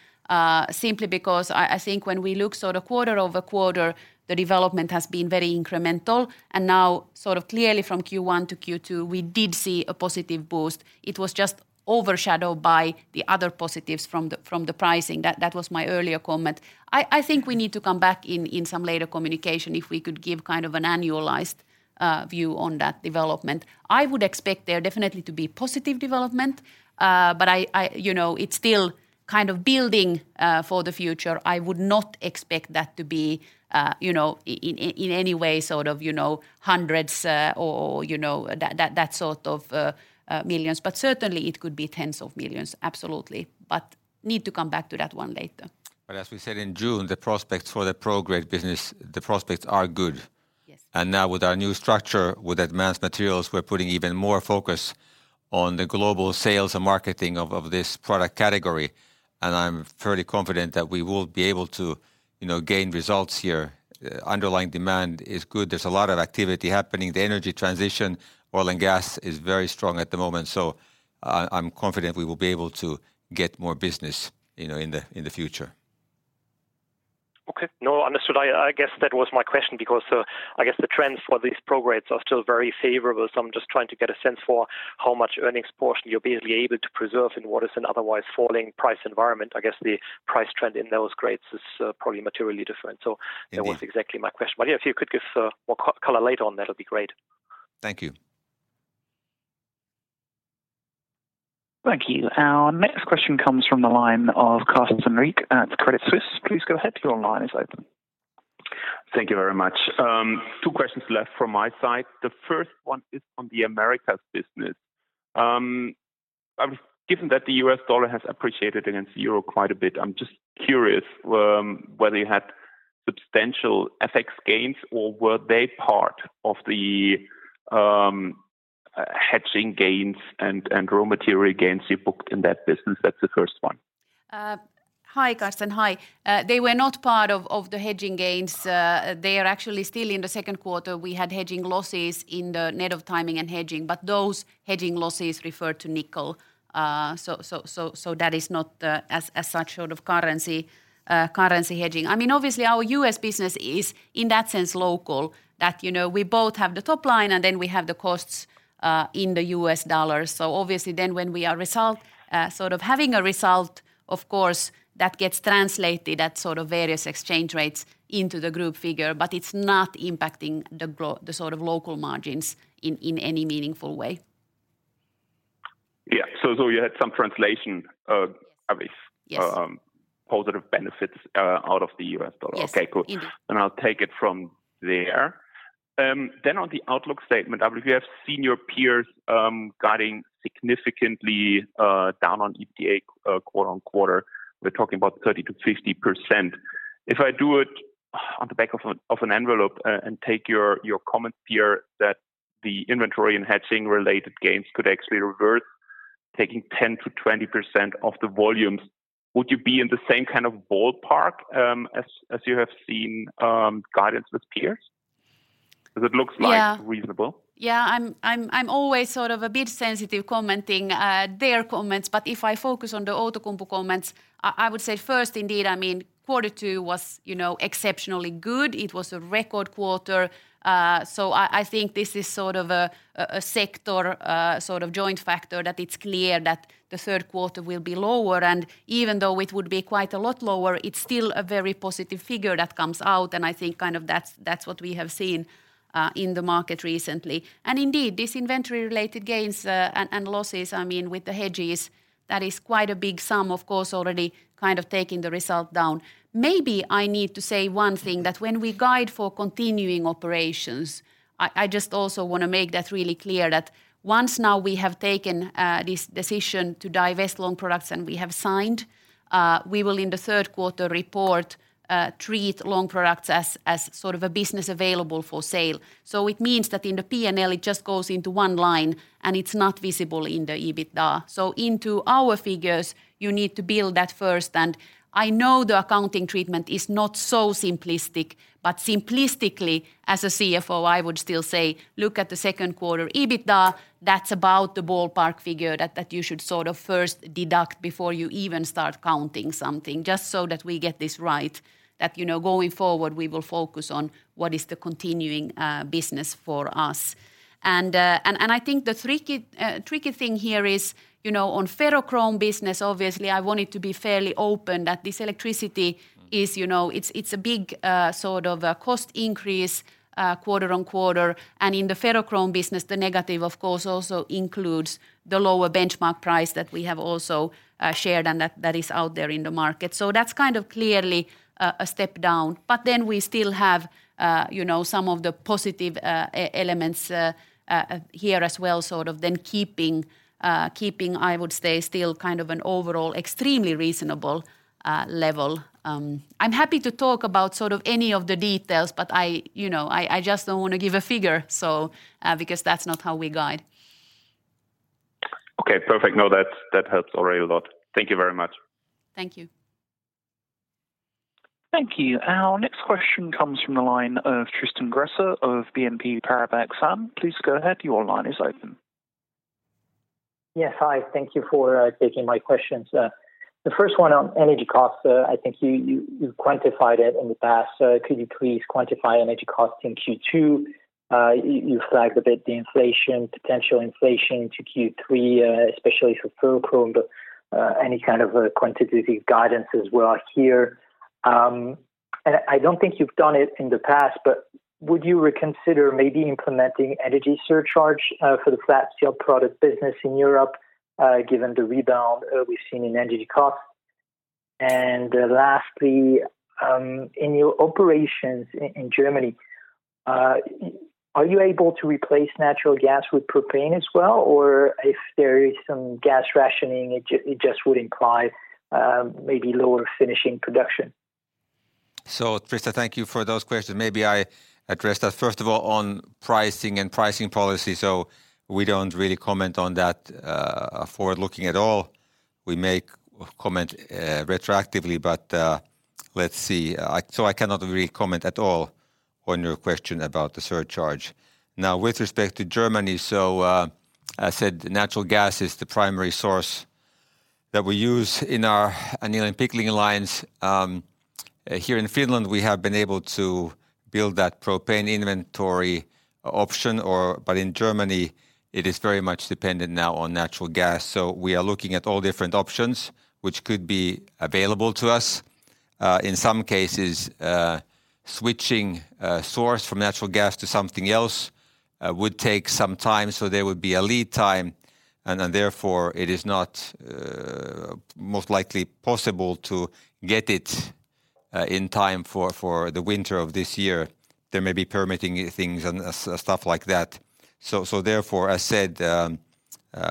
simply because I think when we look sort of quarter-over-quarter, the development has been very incremental. Now sort of clearly from Q1 to Q2, we did see a positive boost. It was just overshadowed by the other positives from the pricing. That was my earlier comment. I think we need to come back in some later communication if we could give kind of an annualized view on that development. I would expect there definitely to be positive development, but You know, it's still kind of building for the future. I would not expect that to be, you know, in any way sort of, you know, hundreds, or, you know, that sort of, millions. Certainly it could be tens of millions, absolutely. Need to come back to that one later. As we said in June, the prospects for the Prodec business are good. Yes. Now with our new structure, with Advanced Materials, we're putting even more focus on the global sales and marketing of this product category, and I'm fairly confident that we will be able to, you know, gain results here. Underlying demand is good. There's a lot of activity happening. The energy transition, oil and gas is very strong at the moment, so I'm confident we will be able to get more business, you know, in the future. Okay. No, understood. I guess that was my question because I guess the trends for these pro grades are still very favorable, so I'm just trying to get a sense for how much earnings portion you're basically able to preserve in what is an otherwise falling price environment. I guess the price trend in those grades is probably materially different. Yeah ...that was exactly my question. Yeah, if you could give more color later on, that'll be great. Thank you. Thank you. Our next question comes from the line of Carsten Riek at Credit Suisse. Please go ahead, your line is open. Thank you very much. Two questions left from my side. The first one is on the Americas business. Given that the U.S. dollar has appreciated against the euro quite a bit, I'm just curious whether you had substantial FX gains or were they part of the hedging gains and raw material gains you booked in that business? That's the first one. Hi Carsten. They were not part of the hedging gains. They are actually still in the second quarter, we had hedging losses in the net of timing and hedging, but those hedging losses refer to nickel. That is not as such sort of currency hedging. I mean, obviously our U.S. business is in that sense local, that you know, we both have the top line and then we have the costs in the U.S. dollar. Obviously then when we are sort of having a result, of course that gets translated at sort of various exchange rates into the group figure, but it's not impacting the sort of local margins in any meaningful way. Yeah. You had some translation. Yes ...obvious- Yes Positive benefits out of the U.S. dollar. Yes. Okay, cool. Indeed. I'll take it from there. On the outlook statement, obviously we have seen your peers guiding significantly down on EBITDA quarter-on-quarter. We're talking about 30%-50%. If I do it on the back of an envelope and take your comment here that the inventory and hedging related gains could actually reverse taking 10%-20% of the volumes, would you be in the same kind of ballpark as you have seen guidance with peers? 'Cause it looks like- Yeah ...reasonable. Yeah. I'm always sort of a bit sensitive about commenting on their comments, but if I focus on the Outokumpu comments, I would say first indeed, I mean, quarter two was, you know, exceptionally good. It was a record quarter. So I think this is sort of a sector sort of joint factor that it's clear that the third quarter will be lower. Even though it would be quite a lot lower, it's still a very positive figure that comes out, and I think kind of that's what we have seen in the market recently. Indeed, this inventory-related gains and losses, I mean, with the hedges, that is quite a big sum, of course, already kind of taking the result down. Maybe I need to say one thing, that when we guide for continuing operations, I just also wanna make that really clear that once now we have taken this decision to divest Long Products and we have signed, we will in the third quarter report treat Long Products as sort of a business available for sale. It means that in the P&L, it just goes into one line, and it's not visible in the EBITDA. Into our figures, you need to build that first. I know the accounting treatment is not so simplistic, but simplistically, as a CFO, I would still say look at the second quarter EBITDA. That's about the ballpark figure that you should sort of first deduct before you even start counting something. Just so that we get this right, that you know going forward we will focus on what is the continuing business for us. I think the tricky thing here is you know on ferrochrome business, obviously I want it to be fairly open that this electricity is you know it's a big sort of a cost increase quarter on quarter. In the ferrochrome business, the negative of course also includes the lower benchmark price that we have also shared and that is out there in the market. So that's kind of clearly a step down. We still have you know some of the positive elements here as well, sort of then keeping I would say still kind of an overall extremely reasonable level. I'm happy to talk about sort of any of the details, but I, you know, just don't wanna give a figure, so because that's not how we guide. Okay. Perfect. No, that helps already a lot. Thank you very much. Thank you. Thank you. Our next question comes from the line of Tristan Gresser of BNP Paribas. Please go ahead, your line is open. Yes. Hi, thank you for taking my questions. The first one on energy costs, I think you quantified it in the past. Could you please quantify energy costs in Q2? You flagged a bit the inflation, potential inflation to Q3, especially for ferrochrome, but any kind of a quantitative guidance as well here. I don't think you've done it in the past, but would you reconsider maybe implementing energy surcharge for the flat steel product business in Europe, given the rebound we've seen in energy costs? Lastly, in your operations in Germany, are you able to replace natural gas with propane as well? Or if there is some gas rationing, it just would imply maybe lower finishing production. Tristan, thank you for those questions. Maybe I address that first of all on pricing and pricing policy. We don't really comment on that, forward-looking at all. We make comment retroactively, but let's see. I cannot really comment at all on your question about the surcharge. Now, with respect to Germany, as said, natural gas is the primary source that we use in our annealing and pickling lines. Here in Finland, we have been able to build that propane inventory option. But in Germany, it is very much dependent now on natural gas. We are looking at all different options which could be available to us. In some cases, switching sources from natural gas to something else would take some time, so there would be a lead time, and then therefore, it is not most likely possible to get it in time for the winter of this year. There may be permitting things and stuff like that. Therefore, I said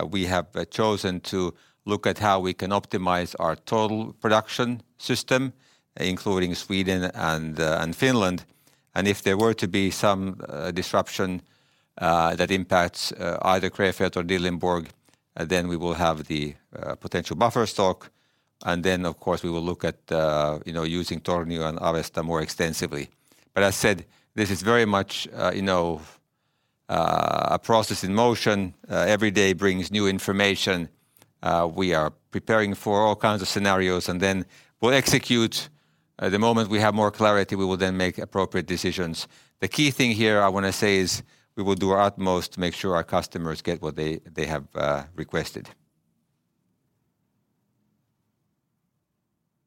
we have chosen to look at how we can optimize our total production system, including Sweden and Finland. If there were to be some disruption that impacts either Krefeld or Dillenburg, then we will have the potential buffer stock. Then, of course, we will look at, you know, using Tornio and Avesta more extensively. I said this is very much, you know, a process in motion. Every day brings new information. We are preparing for all kinds of scenarios, and then we'll execute. At the moment, we have more clarity, we will then make appropriate decisions. The key thing here I wanna say is we will do our utmost to make sure our customers get what they have requested.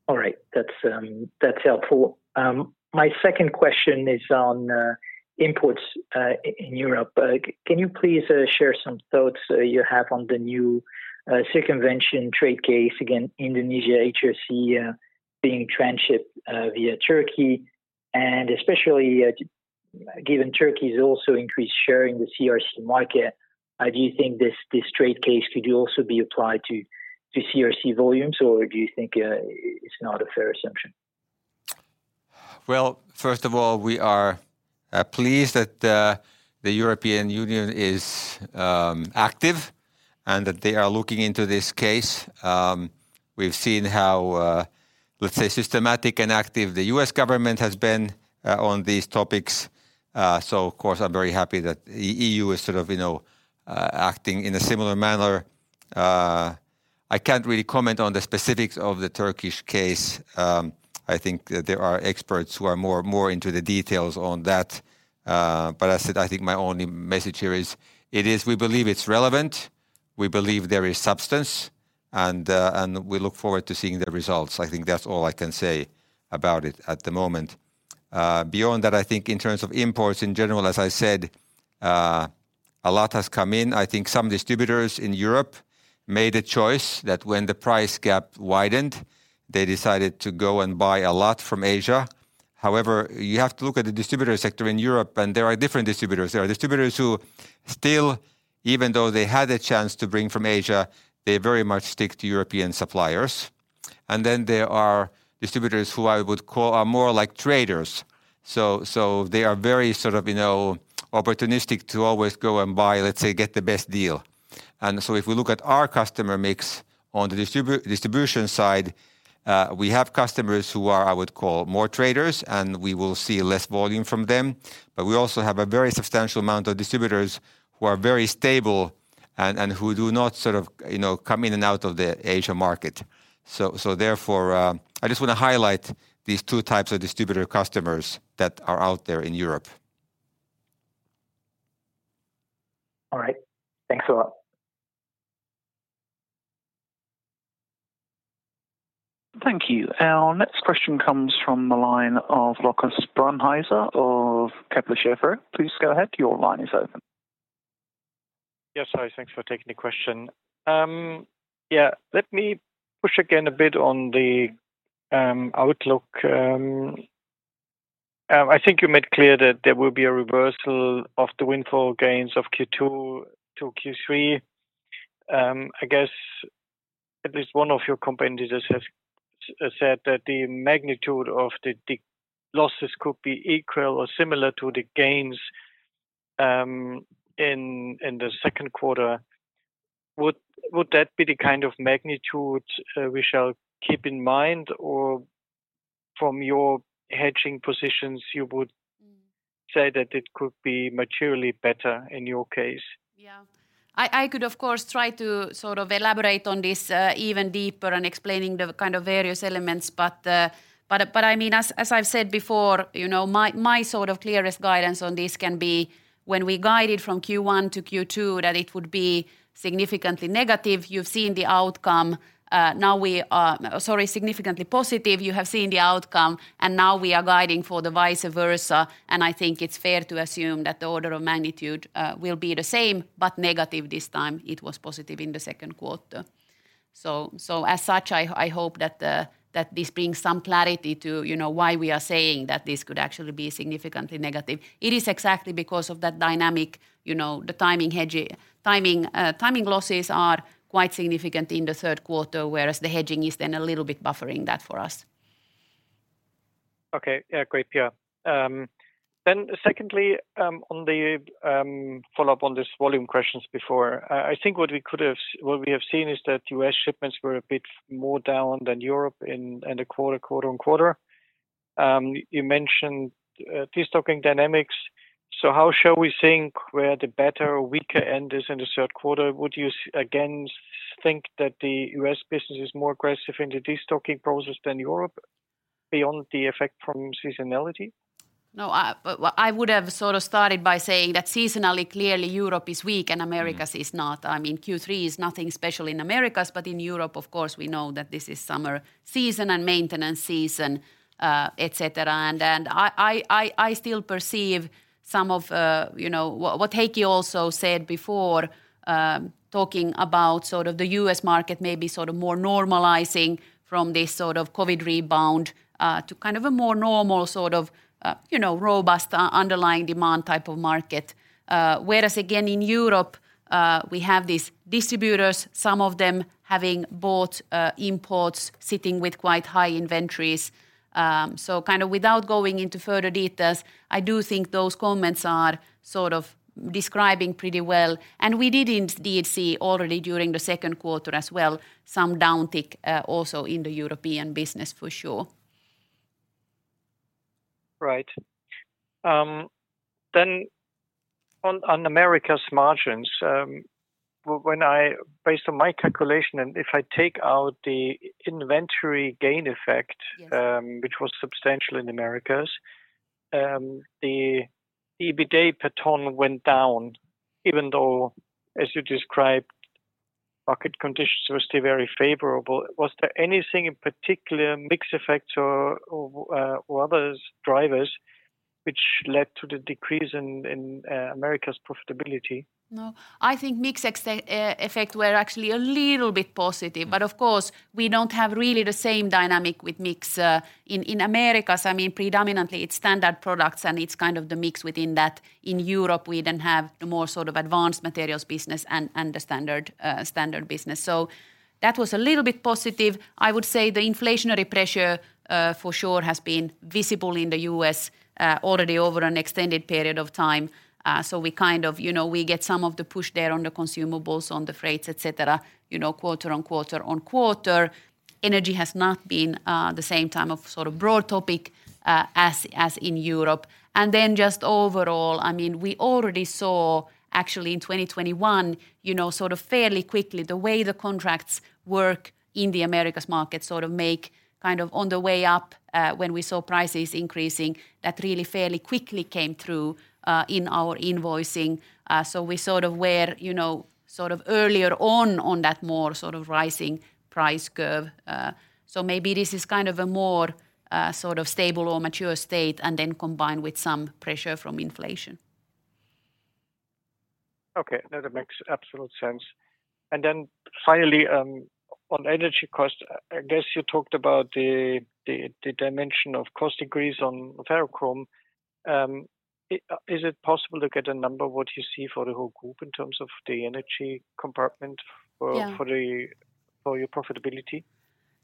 All right. That's helpful. My second question is on imports in Europe. Can you please share some thoughts you have on the new circumvention trade case against Indonesian HRC being transshipped via Turkey? Especially, given Turkey's also increasing share in the CRC market, do you think this trade case could also be applied to CRC volumes, or do you think it's not a fair assumption? Well, first of all, we are pleased that the European Union is active and that they are looking into this case. We've seen how, let's say, systematic and active the U.S. government has been on these topics. Of course, I'm very happy that EU is sort of, you know, acting in a similar manner. I can't really comment on the specifics of the Turkish case. I think that there are experts who are more into the details on that. I said I think my only message here is, it is we believe it's relevant, we believe there is substance, and we look forward to seeing the results. I think that's all I can say about it at the moment. Beyond that, I think in terms of imports in general, as I said, a lot has come in. I think some distributors in Europe made a choice that when the price gap widened, they decided to go and buy a lot from Asia. However, you have to look at the distributor sector in Europe, and there are different distributors. There are distributors who still, even though they had a chance to bring from Asia, they very much stick to European suppliers. Then there are distributors who I would call are more like traders. So they are very sort of, you know, opportunistic to always go and buy, let's say, get the best deal. If we look at our customer mix on the distribution side, we have customers who are, I would call more traders, and we will see less volume from them. We also have a very substantial amount of distributors who are very stable and who do not sort of, you know, come in and out of the Asia market. Therefore, I just wanna highlight these two types of distributor customers that are out there in Europe. All right. Thanks a lot. Thank you. Our next question comes from the line of Rochus Brauneiser of Kepler Cheuvreux. Please go ahead, your line is open. Yes, hi, thanks for taking the question. Yeah, let me push again a bit on the outlook. I think you made clear that there will be a reversal of the windfall gains of Q2 to Q3. I guess at least one of your competitors have said that the magnitude of the losses could be equal or similar to the gains in the second quarter. Would that be the kind of magnitude we shall keep in mind or from your hedging positions you would- Mm-hmm Say that it could be materially better in your case? Yeah. I could, of course, try to sort of elaborate on this, even deeper and explaining the kind of various elements. I mean, as I've said before, you know, my sort of clearest guidance on this can be when we guided from Q1 to Q2 that it would be significantly negative. You've seen the outcome. Now we... Sorry, significantly positive. You have seen the outcome, and now we are guiding for the vice versa. I think it's fair to assume that the order of magnitude will be the same but negative this time. It was positive in the second quarter. As such, I hope that this brings some clarity to, you know, why we are saying that this could actually be significantly negative. It is exactly because of that dynamic, you know, the timing losses are quite significant in the third quarter, whereas the hedging is then a little bit buffering that for us. Okay. Yeah, great, Pia. On the follow-up on this volume question before. I think what we have seen is that US shipments were a bit more down than Europe in the quarter on quarter. You mentioned de-stocking dynamics. How shall we think where the better or weaker end is in the third quarter? Would you again think that the US business is more aggressive in the de-stocking process than Europe beyond the effect from seasonality? No, I well, I would have sort of started by saying that seasonally, clearly Europe is weak and- Mm-hmm Americas is not. I mean, Q3 is nothing special in Americas, but in Europe, of course, we know that this is summer season and maintenance season, et cetera. I still perceive some of, you know, what Heikki also said before, talking about sort of the U.S. market maybe sort of more normalizing from this sort of COVID rebound, to kind of a more normal sort of, you know, robust underlying demand type of market. Whereas again in Europe, we have these distributors, some of them having bought imports sitting with quite high inventories. So kind of without going into further details, I do think those comments are sort of describing pretty well. We did indeed see already during the second quarter as well some downtick, also in the European business for sure. Right. On Americas margins, based on my calculation and if I take out the inventory gain effect- Yes which was substantial in Americas, the EBITDA per ton went down even though, as you described, market conditions were still very favorable. Was there anything in particular, mix effects or other drivers which led to the decrease in Americas profitability? No. I think mix effects were actually a little bit positive, but of course we don't have really the same dynamic with mix in Americas. I mean, predominantly it's standard products, and it's kind of the mix within that. In Europe, we then have the more sort of Advanced Materials business and the standard business. That was a little bit positive. I would say the inflationary pressure for sure has been visible in the U.S. already over an extended period of time. We kind of, you know, we get some of the push there on the consumables, on the freights, et cetera, you know, quarter on quarter. Energy has not been the same kind of sort of broad topic as in Europe. Just overall, I mean, we already saw actually in 2021, you know, sort of fairly quickly the way the contracts work in the Americas market sort of make kind of on the way up, when we saw prices increasing, that really fairly quickly came through in our invoicing. We sort of were, you know, sort of earlier on that more sort of rising price curve. Maybe this is kind of a more sort of stable or mature state and then combined with some pressure from inflation. Okay. That makes absolute sense. Finally, on energy cost, I guess you talked about the dimension of cost increase on ferrochrome. Is it possible to get a number what you see for the whole group in terms of the energy component- Yeah for your profitability?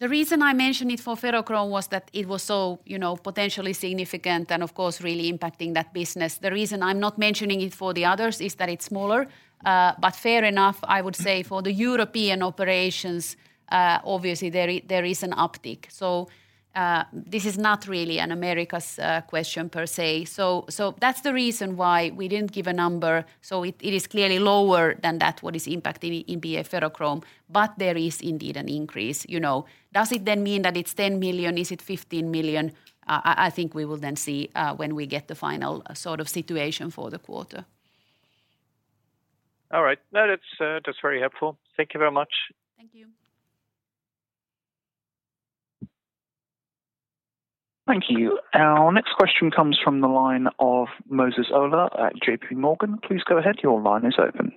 The reason I mentioned it for ferrochrome was that it was so, you know, potentially significant and of course really impacting that business. The reason I'm not mentioning it for the others is that it's smaller. Fair enough, I would say for the European operations, obviously there is an uptick. This is not really an Americas, question per se. That's the reason why we didn't give a number. It is clearly lower than that what is impacting EBITDA ferrochrome, but there is indeed an increase, you know. Does it then mean that it's 10 million? Is it 15 million? I think we will then see, when we get the final sort of situation for the quarter. All right. No, that's very helpful. Thank you very much. Thank you. Thank you. Our next question comes from the line of Moses Ola at J.P. Morgan. Please go ahead. Your line is open.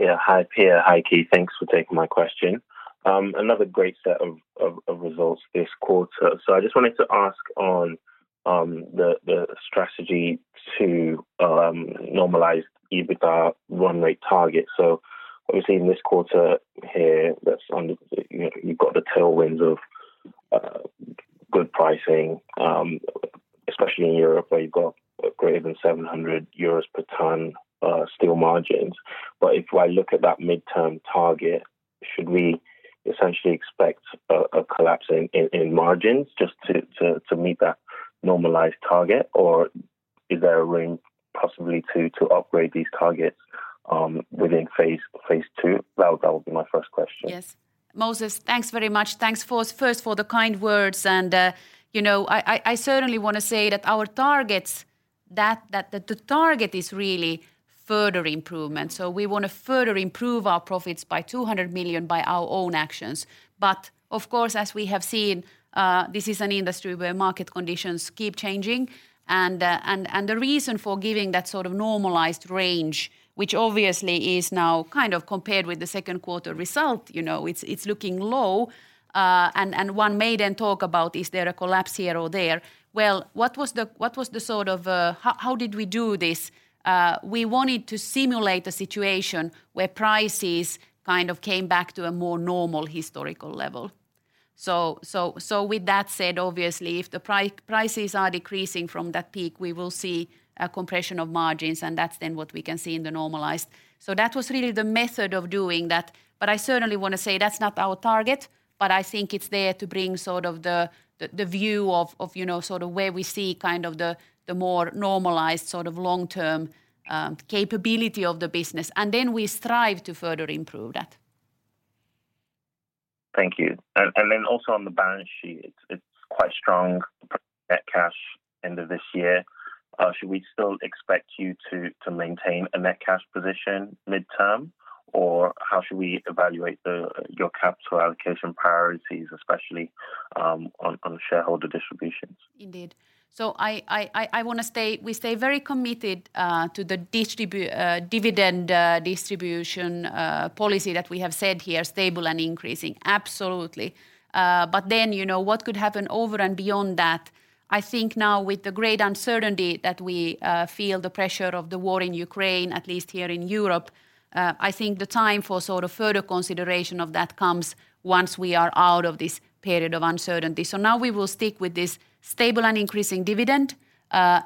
Yeah. Hi, Pia. Hi, Heikki. Thanks for taking my question. Another great set of results this quarter. I just wanted to ask on the strategy to normalize EBITDA run rate target. Obviously in this quarter here, that's on the, you know, you've got the tailwinds of Good pricing, especially in Europe where you've got greater than 700 euros per ton, steel margins. If I look at that midterm target, should we essentially expect a collapse in margins just to meet that normalized target? Or is there a room possibly to upgrade these targets within phase two? That would be my first question. Yes. Moses, thanks very much. Thanks for first for the kind words and, you know, I certainly wanna say that our targets, that the target is really further improvement. We wanna further improve our profits by 200 million by our own actions. Of course, as we have seen, this is an industry where market conditions keep changing, and the reason for giving that sort of normalized range, which obviously is now kind of compared with the second quarter result, you know, it's looking low. One may then talk about is there a collapse here or there? Well, what was the sort of? How did we do this? We wanted to simulate a situation where prices kind of came back to a more normal historical level. With that said, obviously if the prices are decreasing from that peak, we will see a compression of margins, and that's then what we can see in the normalized. That was really the method of doing that, but I certainly wanna say that's not our target. I think it's there to bring sort of the view of, you know, sort of where we see kind of the more normalized sort of long-term capability of the business, and then we strive to further improve that. Thank you. Then also on the balance sheet, it's quite strong net cash end of this year. Should we still expect you to maintain a net cash position midterm, or how should we evaluate your capital allocation priorities, especially on shareholder distributions? Indeed. We stay very committed to the dividend distribution policy that we have said here, stable and increasing. Absolutely. You know, what could happen over and beyond that, I think now with the great uncertainty that we feel, the pressure of the war in Ukraine, at least here in Europe, I think the time for sort of further consideration of that comes once we are out of this period of uncertainty. Now we will stick with this stable and increasing dividend.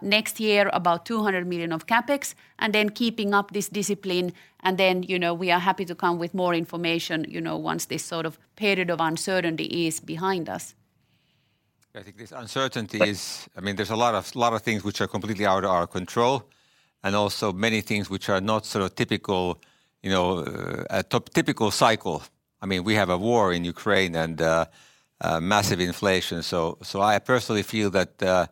Next year about 200 million of CapEx, and then keeping up this discipline, and then, you know, we are happy to come with more information, you know, once this sort of period of uncertainty is behind us. I think this uncertainty is. I mean, there's a lot of things which are completely out of our control, and also many things which are not sort of typical, you know, typical cycle. I mean, we have a war in Ukraine and massive inflation. I personally feel that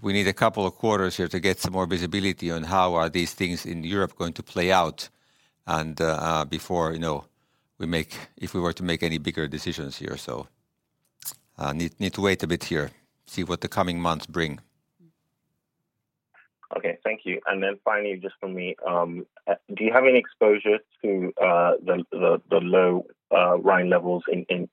we need a couple of quarters here to get some more visibility on how are these things in Europe going to play out and before, you know, if we were to make any bigger decisions here. Need to wait a bit here, see what the coming months bring. Okay. Thank you. Then finally, just from me, do you have any exposure to the low Rhine levels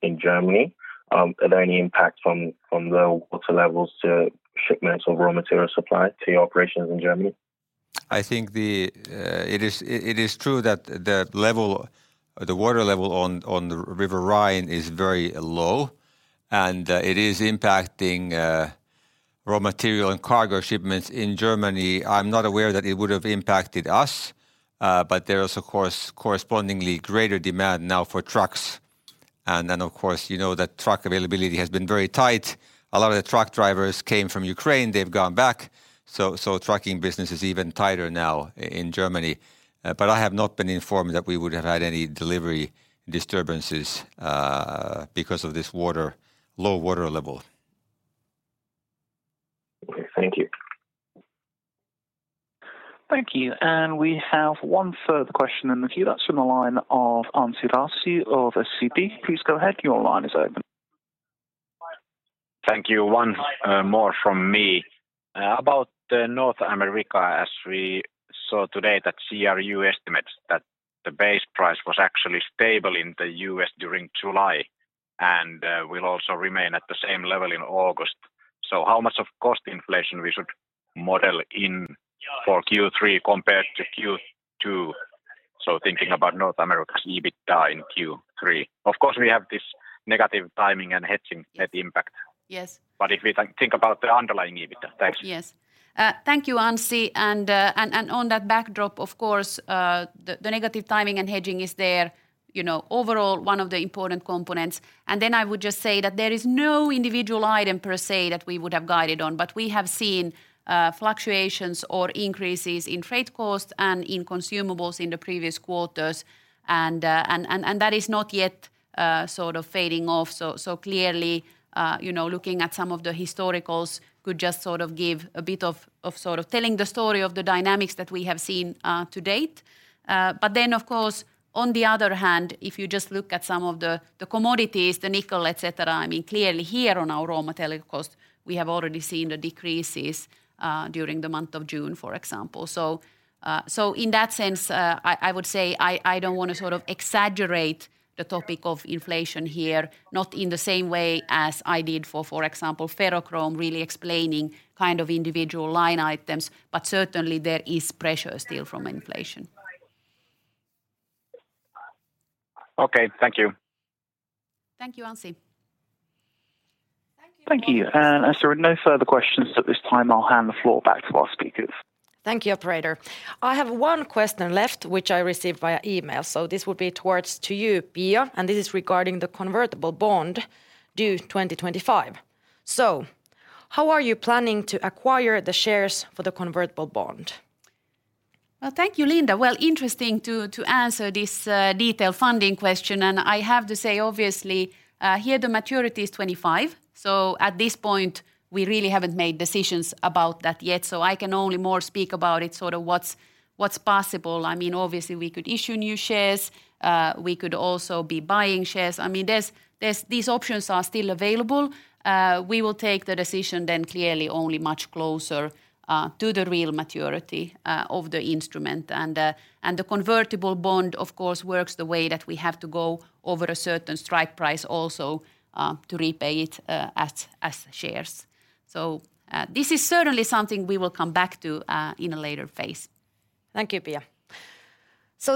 in Germany? Are there any impact from low water levels to shipments or raw material supply to your operations in Germany? I think it is true that the water level on the River Rhine is very low, and it is impacting raw material and cargo shipments in Germany. I'm not aware that it would have impacted us, but there is of course correspondingly greater demand now for trucks, and then of course you know that truck availability has been very tight. A lot of the truck drivers came from Ukraine, they've gone back, so trucking business is even tighter now in Germany. I have not been informed that we would have had any delivery disturbances because of this low water level. Okay. Thank you. Thank you. We have one further question in the queue. That's from the line of Anssi Raussi of SEB. Please go ahead, your line is open. Thank you. One more from me. About North America, as we saw today that CRU estimates that the base price was actually stable in the U.S. during July and will also remain at the same level in August. How much of cost inflation we should model in for Q3 compared to Q2? Thinking about North America's EBITDA in Q3. Of course, we have this negative timing and hedging net impact. Yes. If we think about the underlying EBITDA. Thanks. Yes. Thank you, Anssi. On that backdrop of course, the negative timing and hedging is there, you know, overall one of the important components. Then I would just say that there is no individual item per se that we would have guided on. We have seen fluctuations or increases in freight costs and in consumables in the previous quarters and that is not yet sort of fading off. Clearly, you know, looking at some of the historicals could just sort of give a bit of telling the story of the dynamics that we have seen to date. Of course, on the other hand, if you just look at some of the commodities, the nickel, et cetera, I mean, clearly here on our raw material cost we have already seen the decreases during the month of June, for example. In that sense, I would say I don't wanna sort of exaggerate the topic of inflation here, not in the same way as I did for example, ferrochrome, really explaining kind of individual line items, but certainly there is pressure still from inflation. Okay. Thank you. Thank you, Anssi. Thank you. As there are no further questions at this time, I'll hand the floor back to our speakers. Thank you, operator. I have one question left, which I received via email. This will be toward you, Pia, and this is regarding the convertible bond due 2025. How are you planning to acquire the shares for the convertible bond? Well, thank you, Linda. Interesting to answer this detailed funding question, and I have to say obviously, here the maturity is 2025, so at this point we really haven't made decisions about that yet. I can only more speak about it sort of what's possible. I mean, obviously we could issue new shares. We could also be buying shares. I mean, there's these options are still available. We will take the decision then clearly only much closer to the real maturity of the instrument. The convertible bond of course works the way that we have to go over a certain strike price also to repay it as shares. This is certainly something we will come back to in a later phase. Thank you, Pia.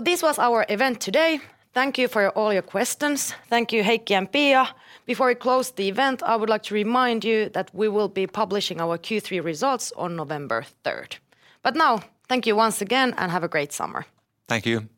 This was our event today. Thank you for all your questions. Thank you, Heikki and Pia. Before we close the event, I would like to remind you that we will be publishing our Q3 results on November 3rd. Now thank you once again and have a great summer. Thank you.